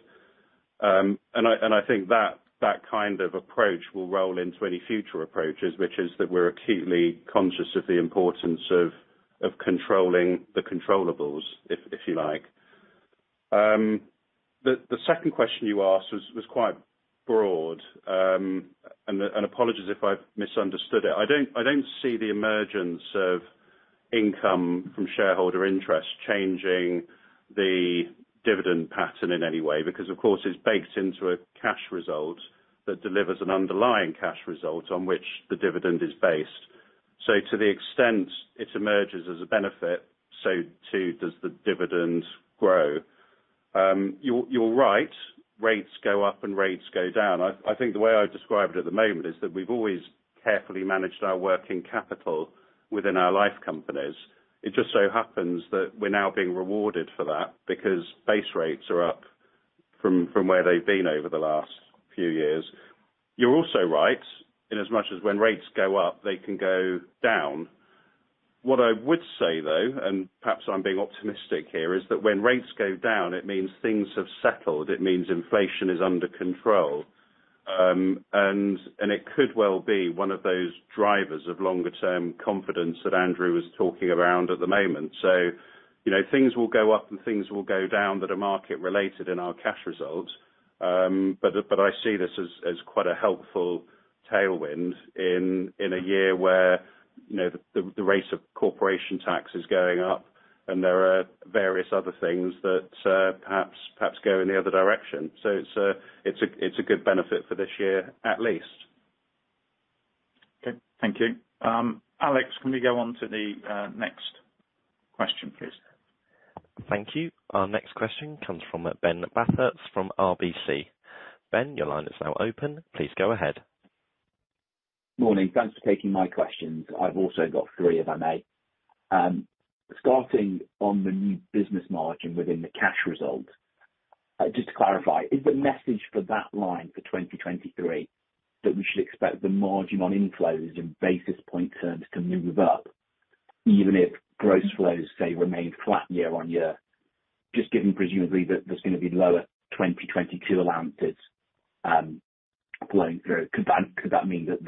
I think that kind of approach will roll into any future approaches, which is that we're acutely conscious of the importance of controlling the controllables, if you like. The second question you asked was quite broad, apologies if I've misunderstood it. I don't see the emergence of income from shareholder interest changing the dividend pattern in any way because, of course, it's baked into a cash result that delivers an underlying cash result on which the dividend is based. To the extent it emerges as a benefit, so too does the dividend grow. You're right, rates go up and rates go down. I think the way I've described it at the moment is that we've always carefully managed our working capital within our life companies. It just so happens that we're now being rewarded for that because base rates are up from where they've been over the last few years. You're also right, in as much as when rates go up, they can go down. What I would say, though, and perhaps I'm being optimistic here, is that when rates go down, it means things have settled. It means inflation is under control, and it could well be one of those drivers of longer-term confidence that Andrew was talking around at the moment. You know, things will go up and things will go down that are market related in our cash results. But I see this as quite a helpful tailwind in a year where, you know, the rate of corporation tax is going up and there are various other things that perhaps go in the other direction. It's a good benefit for this year, at least. Okay. Thank you. Alex, can we go on to the next question, please? Thank you. Our next question comes from Ben Bathurst from RBC. Ben, your line is now open. Please go ahead. Morning. Thanks for taking my questions. I've also got three, if I may. Starting on the new business margin within the cash result. Just to clarify, is the message for that line for 2023 that we should expect the margin on inflows and basis point turns to move up even if gross flows, say, remain flat year-on-year? Just given presumably that there's gonna be lower 2022 allowances flowing through. Could that mean that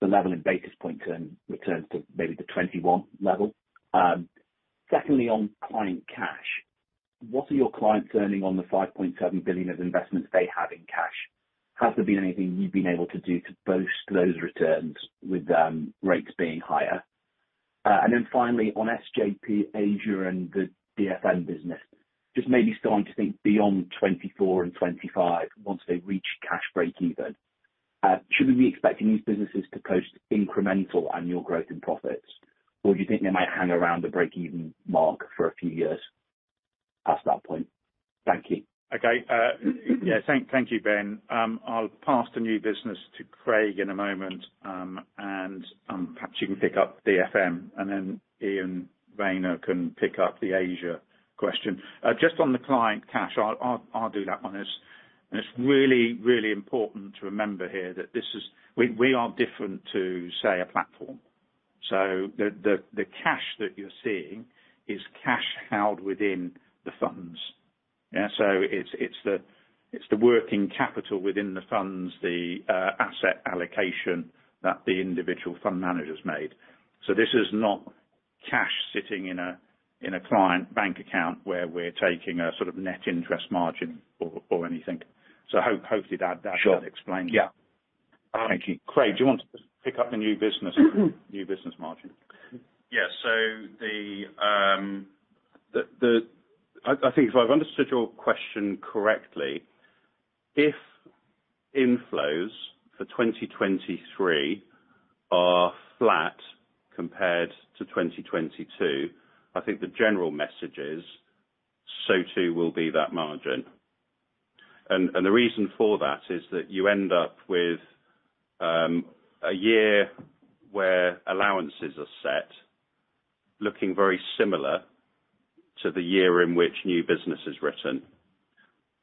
the level in basis point turn returns to maybe the 2021 level? Secondly, on client cash. What are your clients earning on the 5.7 billion of investments they have in cash? Has there been anything you've been able to do to boost those returns with rates being higher? Finally, on SJP Asia and the DFM business, just maybe starting to think beyond 2024 and 2025 once they reach cash breakeven. Should we be expecting these businesses to post incremental annual growth and profits? Do you think they might hang around the breakeven mark for a few years past that point? Thank you. Okay. Yeah, thank you, Ben. I'll pass the new business to Craig in a moment, and perhaps you can pick up DFM, and then Iain Rayner can pick up the Asia question. Just on the client cash, I'll do that one as. It's really important to remember here that this is we are different to, say, a platform. The cash that you're seeing is cash held within the funds. Yeah? It's the working capital within the funds, the asset allocation that the individual fund managers made. This is not cash sitting in a client bank account where we're taking a sort of net interest margin or anything. Hopefully that explains. Sure. Yeah. Thank you. Craig, do you want to pick up the new business, new business margin? Yeah. The, I think if I've understood your question correctly, if inflows for 2023 are flat compared to 2022, I think the general message is so too will be that margin. The reason for that is that you end up with a year where allowances are set looking very similar to the year in which new business is written.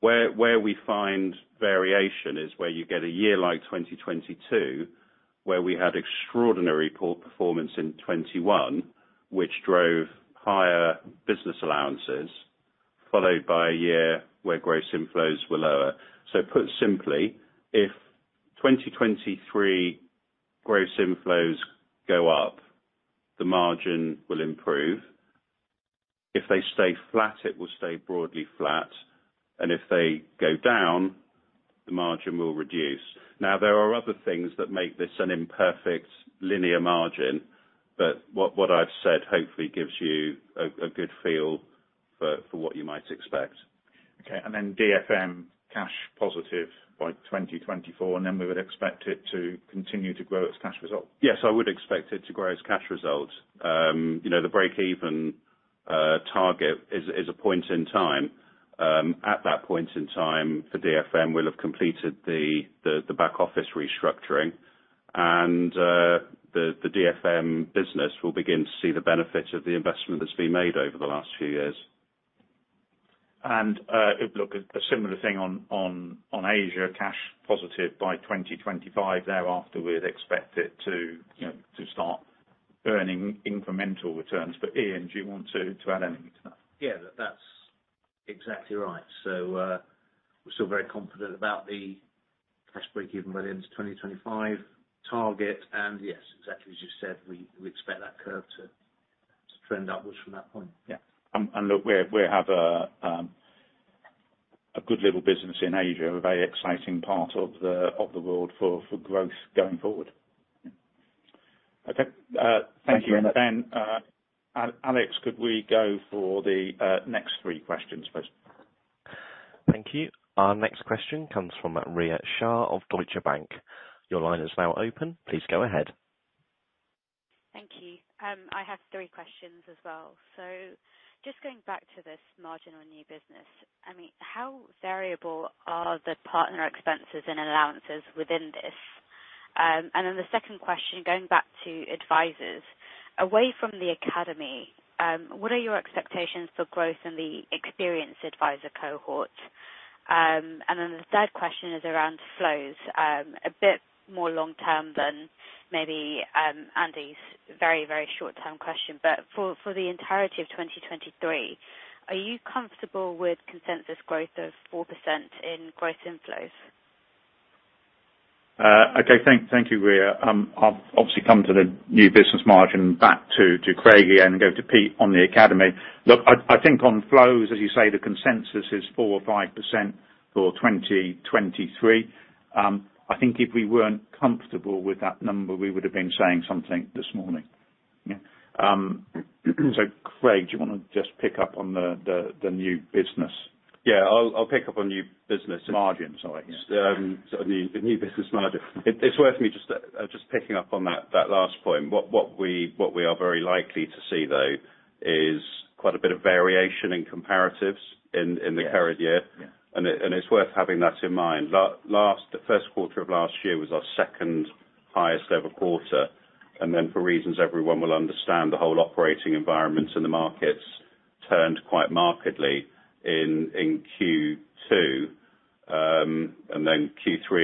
Where we find variation is where you get a year like 2022, where we had extraordinary poor performance in 2021, which drove higher business allowances, followed by a year where gross inflows were lower. Put simply, if 2023 gross inflows go up, the margin will improve. If they stay flat, it will stay broadly flat. If they go down, the margin will reduce. There are other things that make this an imperfect linear margin, but what I've said hopefully gives you a good feel for what you might expect. Okay. DFM cash positive by 2024, and then we would expect it to continue to grow its cash result? Yes, I would expect it to grow as cash result. You know, the breakeven target is a point in time. At that point in time for DFM, we'll have completed the back-office restructuring and the DFM business will begin to see the benefits of the investment that's been made over the last few years. Look, a similar thing on Asia, cash positive by 2025, thereafter we'd expect it to, you know, to start. Earning incremental returns. Iain, do you want to add anything to that? That's exactly right. We're still very confident about the cash break-even by the end of 2025 target, yes, exactly as you said, we expect that curve to trend upwards from that point. Yeah. Look, we have a good little business in Asia, a very exciting part of the world for growth going forward. Okay. Thank you very much... [crosstalk] Alex, could we go for the next three questions, please? Thank you. Our next question comes from Rhea Shah of Deutsche Bank. Your line is now open. Please go ahead. Thank you. I have three questions as well. Just going back to this margin on new business. I mean, how variable are the partner expenses and allowances within this? The second question, going back to advisors. Away from the academy, what are your expectations for growth in the experienced advisor cohort? The third question is around flows. A bit more long-term than maybe Andy's very, very short-term question, but for the entirety of 2023, are you comfortable with consensus growth of 4% in gross inflows? Okay. Thank you, Ria. I'll obviously come to the new business margin back to Craig here and go to Pete on the academy. Look, I think on flows, as you say, the consensus is 4% or 5% for 2023. I think if we weren't comfortable with that number, we would have been saying something this morning. Yeah. Craig, do you wanna just pick up on the new business? Yeah. I'll pick up on new business... [crosstalk] Margin, sorry. The new business margin. It's worth me just picking up on that last point. What we are very likely to see, though, is quite a bit of variation in comparatives in the current year. Yeah? [crosstalk] Yeah. It, and it's worth having that in mind. last the first quarter of last year was our second highest ever quarter, for reasons everyone will understand, the whole operating environments in the markets turned quite markedly in second quarter. And then third quarter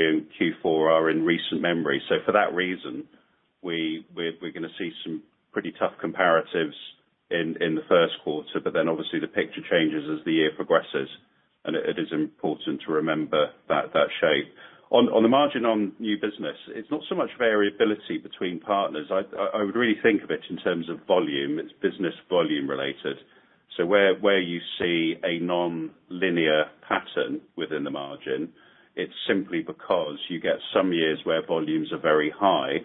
and fourth quarter are in recent memory. For that reason, we're gonna see some pretty tough comparatives in the first quarter, but then obviously the picture changes as the year progresses. It is important to remember that shape. On, on the margin on new business, it's not so much variability between partners. I would really think of it in terms of volume. It's business volume related. Where you see a nonlinear pattern within the margin, it's simply because you get some years where volumes are very high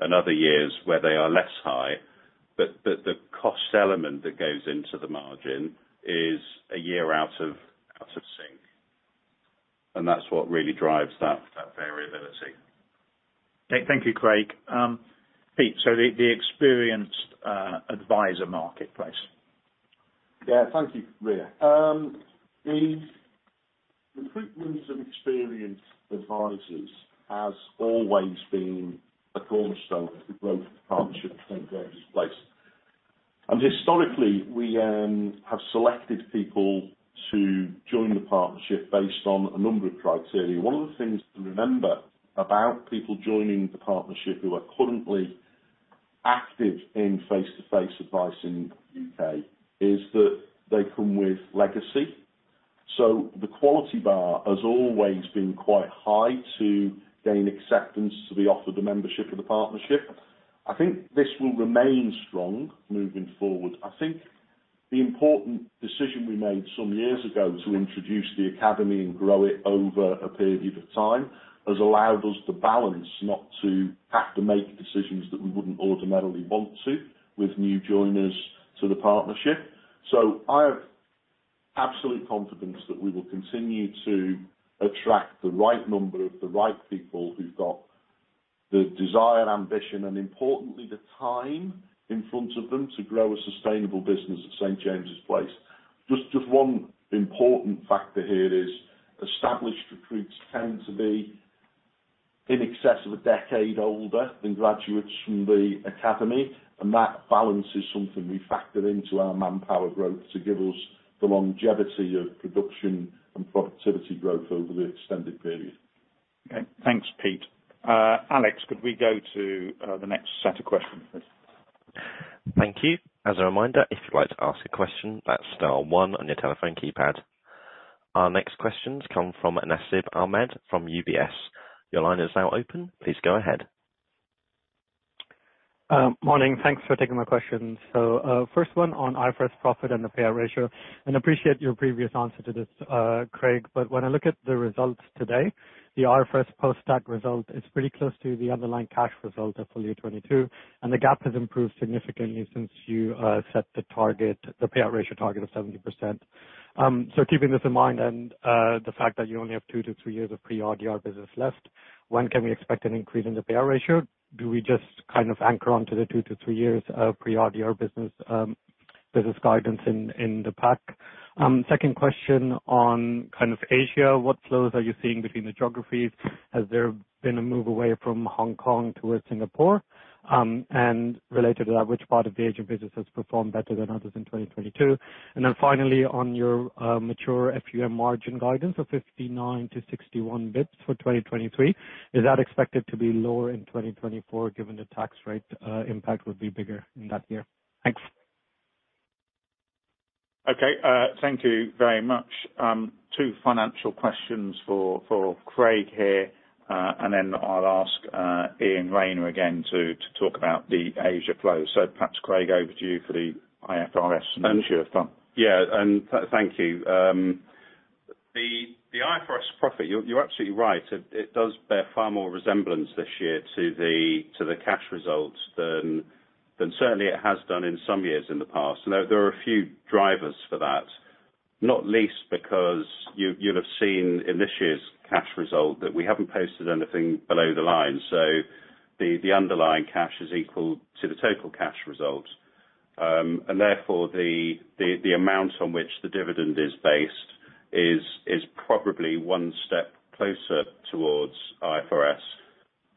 and other years where they are less high. The cost element that goes into the margin is a year out of sync. That's what really drives that variability. Okay, thank you, Craig. Pete, the experienced advisor marketplace. Yeah. Thank you, Rhea. The recruitment of experienced advisors has always been a cornerstone of the growth of the partnership at St. James's Place. Historically, we have selected people to join the partnership based on a number of criteria. One of the things to remember about people joining the partnership who are currently active in face-to-face advising in the UK is that they come with legacy. The quality bar has always been quite high to gain acceptance to be offered the membership of the partnership. I think this will remain strong moving forward. I think the important decision we made some years ago to introduce the academy and grow it over a period of time has allowed us the balance not to have to make decisions that we wouldn't automatically want to with new joiners to the partnership. I have absolute confidence that we will continue to attract the right number of the right people who've got the desire, ambition, and importantly, the time in front of them to grow a sustainable business at St. James's Place. Just one important factor here is established recruits tend to be in excess of a decade older than graduates from the academy, and that balance is something we factor into our manpower growth to give us the longevity of production and productivity growth over the extended period. Okay. Thanks, Pete. Alex, could we go to the next set of questions, please? Thank you. As a reminder, if you'd like to ask a question, that's star one on your telephone keypad. Our next questions come from Nasib Ahmed from UBS. Your line is now open. Please go ahead. Morning. Thanks for taking my questions. First one on IFRS profit and the payout ratio, and appreciate your previous answer to this, Craig, but when I look at the results today, the IFRS post-tax result is pretty close to the underlying cash result of full year 2022, and the gap has improved significantly since you set the target, the payout ratio target of 70%. Keeping this in mind and the fact that you only have two to three years of pre-RDR business left, when can we expect an increase in the payout ratio? Do we just kind of anchor onto the two to three years of pre-RDR business guidance in the pack? Second question on kind of Asia. What flows are you seeing between the geographies? Has there been a move away from Hong Kong towards Singapore? Related to that, which part of the Asia business has performed better than others in 2022? Finally, on your mature FUM margin guidance of 59-to-61-basis points for 2023, is that expected to be lower in 2024 given the tax rate impact would be bigger in that year? Thanks. Okay. thank you very much. Two financial questions for Craig here. Then I'll ask Iain Rayner again to talk about the Asia flow. Perhaps Craig, over to you for the IFRS and mature fund. Yeah. Thank you. The IFRS profit, you're absolutely right. It does bear far more resemblance this year to the cash results than certainly it has done in some years in the past. There are a few drivers for that, not least because you'll have seen in this year's cash result that we haven't posted anything below the line. The underlying cash is equal to the total cash result. Therefore, the amount on which the dividend is based is probably one step closer towards IFRS.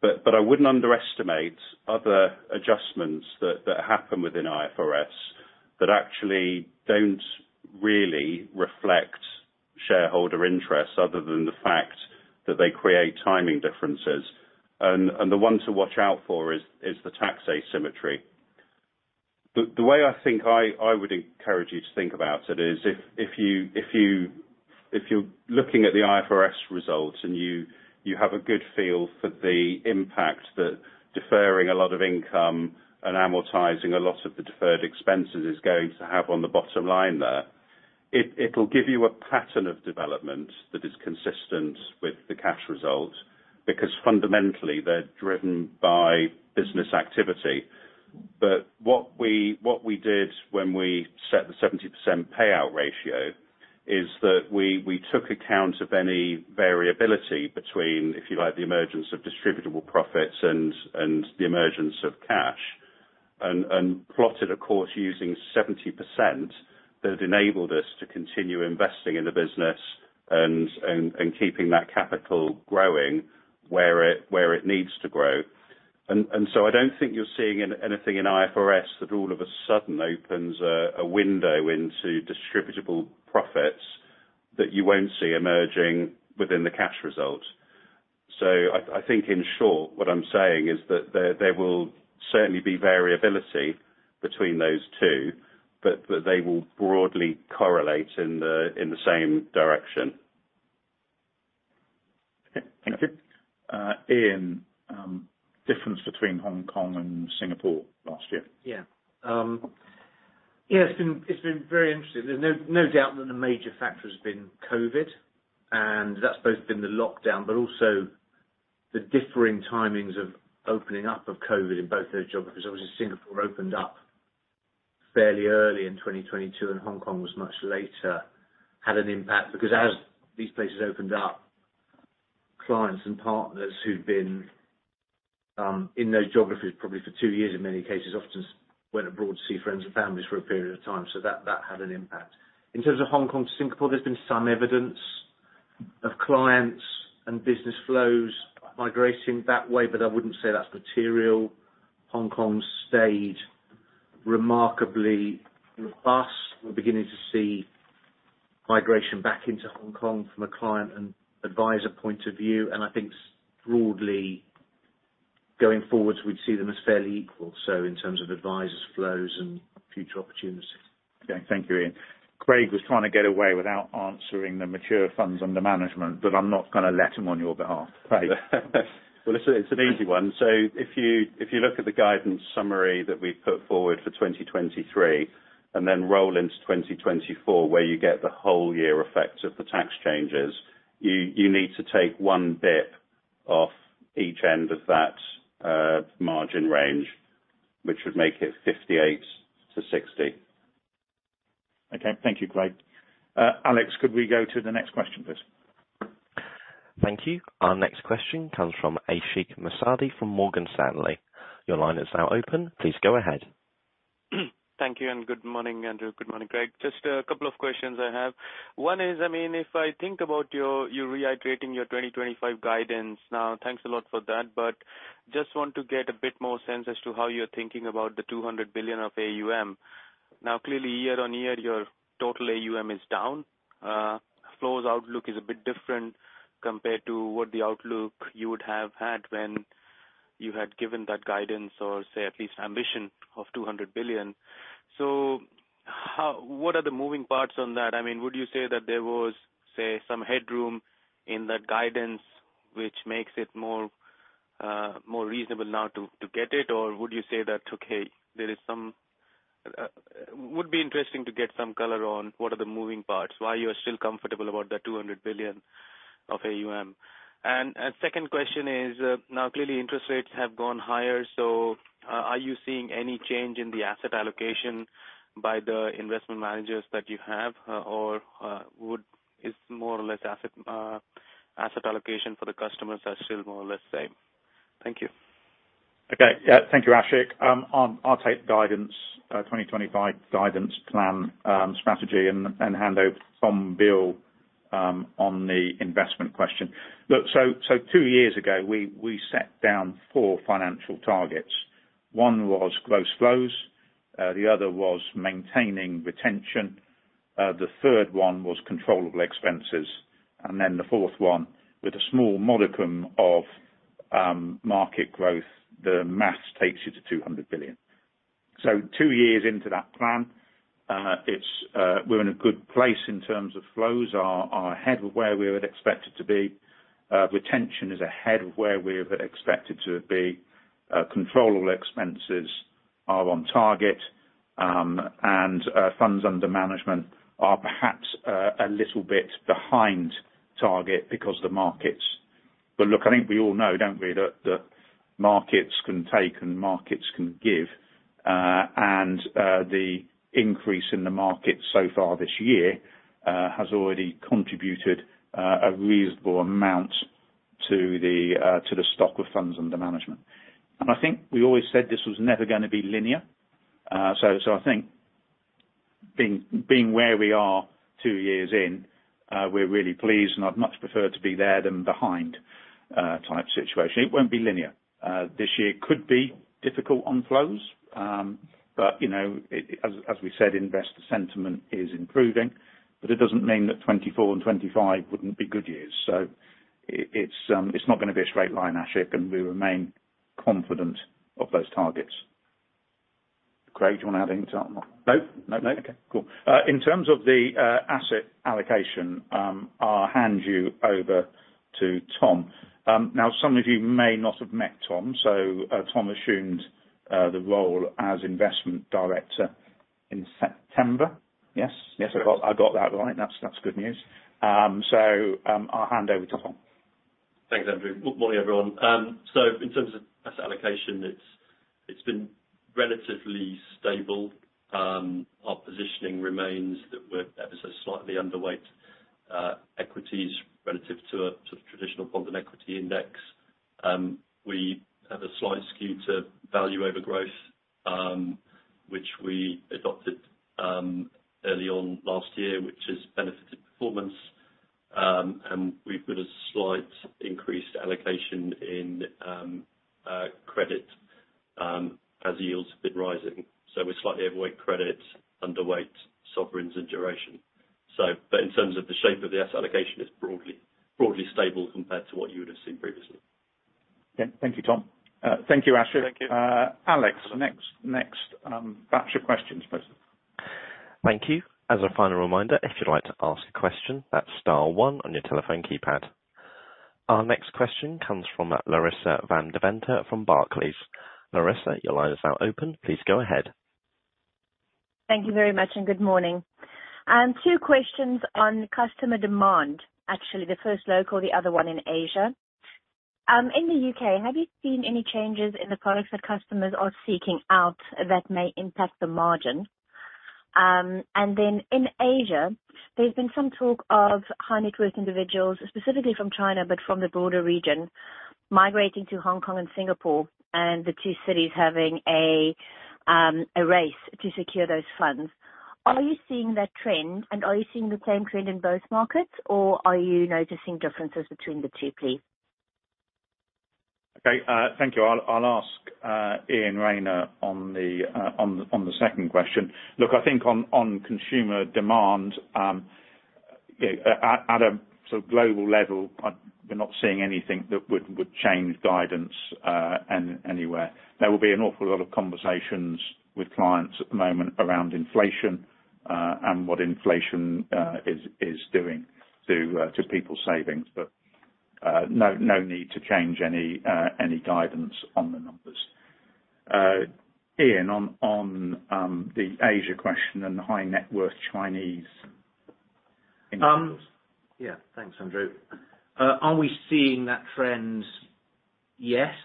But I wouldn't underestimate other adjustments that happen within IFRS that actually don't really reflect shareholder interests other than the fact that they create timing differences. And the one to watch out for is the tax asymmetry. The way I think I would encourage you to think about it is if you're looking at the IFRS results and you have a good feel for the impact that deferring a lot of income and amortizing a lot of the deferred expenses is going to have on the bottom line there, it'll give you a pattern of development that is consistent with the cash result. Fundamentally, they're driven by business activity. What we did when we set the 70% payout ratio is that we took account of any variability between, if you like, the emergence of distributable profits and the emergence of cash. Plotted a course using 70% that enabled us to continue investing in the business and keeping that capital growing where it needs to grow. I don't think you're seeing anything in IFRS that all of a sudden opens a window into distributable profits that you won't see emerging within the cash result. I think in short, what I'm saying is that there will certainly be variability between those two, but that they will broadly correlate in the same direction. Okay. Thank you. Iain, difference between Hong Kong and Singapore last year? Yeah. Yeah, it's been very interesting. There's no doubt that the major factor has been COVID, and that's both been the lockdown, but also the differing timings of opening up of COVID in both those geographies. Obviously, Singapore opened up fairly early in 2022, and Hong Kong was much later, had an impact. As these places opened up, clients and partners who'd been in those geographies probably for two years in many cases, often went abroad to see friends and families for a period of time. That had an impact. In terms of Hong Kong to Singapore, there's been some evidence of clients and business flows migrating that way, but I wouldn't say that's material. Hong Kong stayed remarkably robust. We're beginning to see migration back into Hong Kong from a client and advisor point of view. I think broadly going forward, we'd see them as fairly equal, in terms of advisors, flows, and future opportunities. Thank you, Iain. Craig was trying to get away without answering the mature funds under management, but I'm not gonna let him on your behalf. Craig? Well, it's an easy one. If you look at the guidance summary that we put forward for 2023 and then roll into 2024, where you get the whole year effect of the tax changes, you need to take one bit off each end of that margin range, which would make it 58% to 60%. Okay. Thank you, Craig. Alex, could we go to the next question, please? Thank you. Our next question comes from Ashik Musaddi from Morgan Stanley. Your line is now open. Please go ahead. Thank you, and good morning, Andrew. Good morning, Craig. Just a couple of questions I have. One is, I mean, if I think about, you're reiterating your 2025 guidance. Now, thanks a lot for that. Just want to get a bit more sense as to how you're thinking about the 200 billion of AUM. Now, clearly, year-on-year, your total AUM is down. Flows outlook is a bit different compared to what the outlook you would have had when you had given that guidance or say at least ambition of 200 billion. What are the moving parts on that? I mean, would you say that there was, say, some headroom in that guidance which makes it more, more reasonable now to get it? Would you say that, okay, there is some... would be interesting to get some color on what are the moving parts, why you are still comfortable about the 200 billion of AUM. Second question is, now clearly interest rates have gone higher, so are you seeing any change in the asset allocation by the investment managers that you have? Is more or less asset allocation for the customers are still more or less same? Thank you. Okay. Yeah. Thank you, Ashik. I'll take guidance, 2025 guidance plan, strategy and hand over to Bill, on the investment question. Look, so two years ago, we set down four financial targets. One was gross flows, the other was maintaining retention. The third one was controllable expenses. The fourth one, with a small modicum of market growth, the math takes you to 200 billion. Two years into that plan, it's, we're in a good place in terms of flows. Our ahead of where we would expect it to be. Retention is ahead of where we have expected to be. Controllable expenses are on target. And funds under management are perhaps, a little bit behind target because the markets. Look, I think we all know, don't we, that markets can take and markets can give. And the increase in the market so far this year, has already contributed, a reasonable amount to the, to the stock of funds under management. I think we always said this was never gonna be linear. I think being where we are two years in, we're really pleased, and I'd much prefer to be there than behind type situation. It won't be linear. This year could be difficult on flows. You know, it, as we said, investor sentiment is improving. It doesn't mean that 2024 and 2025 wouldn't be good years. It's not gonna be a straight line, Ashik, and we remain confident of those targets. Craig, do you want to add anything to that one? Nope. No? Okay, cool. In terms of the asset allocation, I'll hand you over to Tom. Now some of you may not have met Tom. Tom assumed the role as investment director in September. Yes? Yes... [crosstalk] I got that right. That's good news. I'll hand over to Tom. Thanks, Andrew. Good morning, everyone. In terms of asset allocation, it's been relatively stable. Our positioning remains that we're ever so slightly underweight equities relative to a sort of traditional bond and equity index. We have a slight skew to value over growth, which we adopted early on last year, which has benefited performance. We've got a slight increased allocation in credit as yields have been rising. We're slightly overweight credit, underweight sovereigns and duration. In terms of the shape of the asset allocation is broadly stable compared to what you would have seen previously. Yeah. Thank you, Tom. Thank you, Ashik. Thank you. Alex, the next batch of questions please. Thank you. As a final reminder, if you'd like to ask a question, that's star one on your telephone keypad. Our next question comes from Larissa van Deventer from Barclays. Larissa, your line is now open. Please go ahead. Thank you, very much and good morning. Two questions on customer demand. Actually, the first local, the other one in Asia. In the UK, have you seen any changes in the products that customers are seeking out that may impact the margin? Then in Asia, there's been some talk of high-net-worth individuals, specifically from China, but from the broader region, migrating to Hong Kong and Singapore, and the two cities having a race to secure those funds. Are you seeing that trend? Are you seeing the same trend in both markets? Are you noticing differences between the two, please? Thank you. I'll ask Iain Rayner on the second question. I think on consumer demand, at a sort of global level, we're not seeing anything that would change guidance anywhere. There will be an awful lot of conversations with clients at the moment around inflation and what inflation is doing to people's savings. No need to change any guidance on the numbers. Iain, on the Asia question and the high-net-worth Chinese individuals... [crosstalk] Yeah. Thanks, Andrew. Are we seeing that trend? Yes.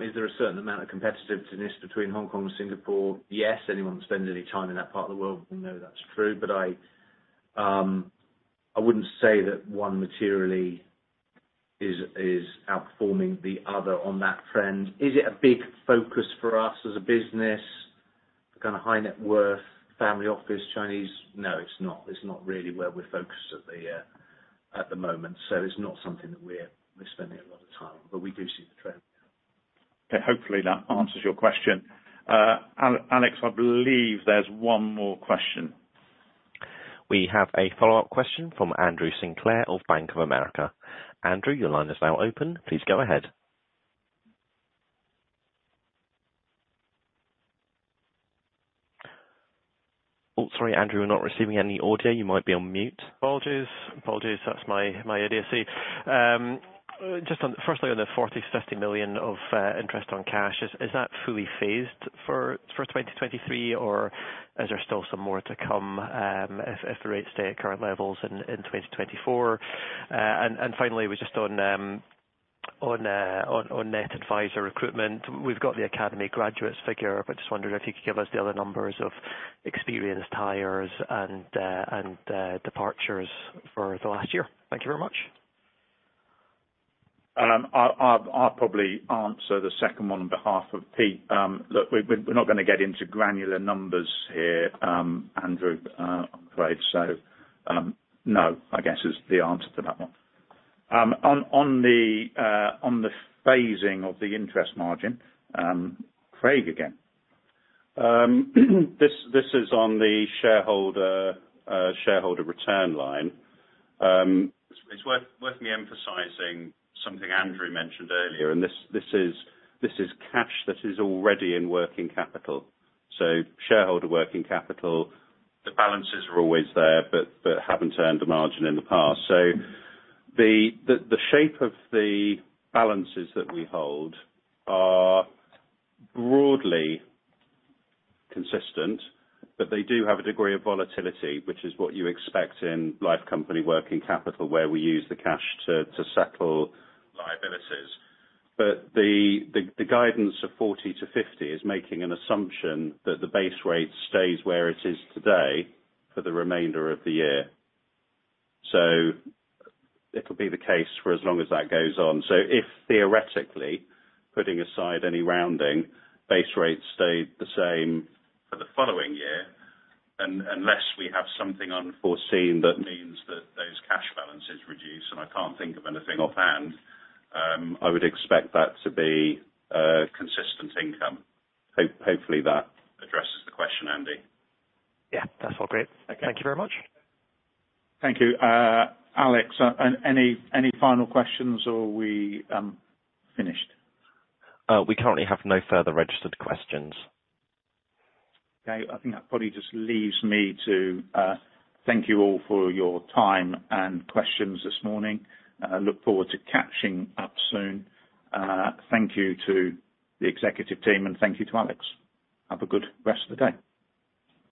Is there a certain amount of competitiveness between Hong Kong and Singapore? Yes. Anyone who spends any time in that part of the world will know that's true. I wouldn't say that one materially is outperforming the other on that trend. Is it a big focus for us as a business? The kind of high net worth family office Chinese? No, it's not. It's not really where we're focused at the moment. It's not something that we're spending a lot of time on, but we do see the trend. Okay. Hopefully, that answers your question. Alex, I believe there's one more question. We have a follow-up question from Andrew Sinclair of Bank of America. Andrew, your line is now open. Please go ahead. Oh, sorry, Andrew, we're not receiving any audio. You might be on mute. Apologies. Apologies. That's my idiocy. Just on firstly on the 40 to 50 million of interest on cash. Is that fully phased for 2023? Or is there still some more to come if the rates stay at current levels in 2024? Finally, was just on net advisor recruitment. We've got the academy graduates figure, but just wondering if you could give us the other numbers of experienced hires and departures for the last year. Thank you very much. I'll probably answer the second one on behalf of Pete. Look, we're not gonna get into granular numbers here, Andrew, I'm afraid so. No, I guess is the answer to that one. On the phasing of the interest margin, Craig again. This is on the shareholder return line. It's worth me emphasizing something Andrew mentioned earlier. This is cash that is already in working capital. Shareholder working capital, the balances are always there but haven't earned a margin in the past. The shape of the balances that we hold are broadly consistent, but they do have a degree of volatility, which is what you expect in life company working capital, where we use the cash to settle liabilities. The guidance of 40 to 50 million is making an assumption that the base rate stays where it is today for the remainder of the year. It'll be the case for as long as that goes on. If theoretically, putting aside any rounding, base rates stayed the same for the following year, unless we have something unforeseen that means that those cash balances reduce, and I can't think of anything offhand, I would expect that to be a consistent income. Hopefully, that addresses the question, Andy. Yeah. That's all great... [crosstalk] Okay. Thank you very much. Thank you. Alex, any final questions or are we finished? We currently have no further registered questions. Okay. I think that probably just leaves me to thank you all for your time and questions this morning. Look forward to catching up soon. Thank you to the executive team and thank you to Alex. Have a good rest of the day.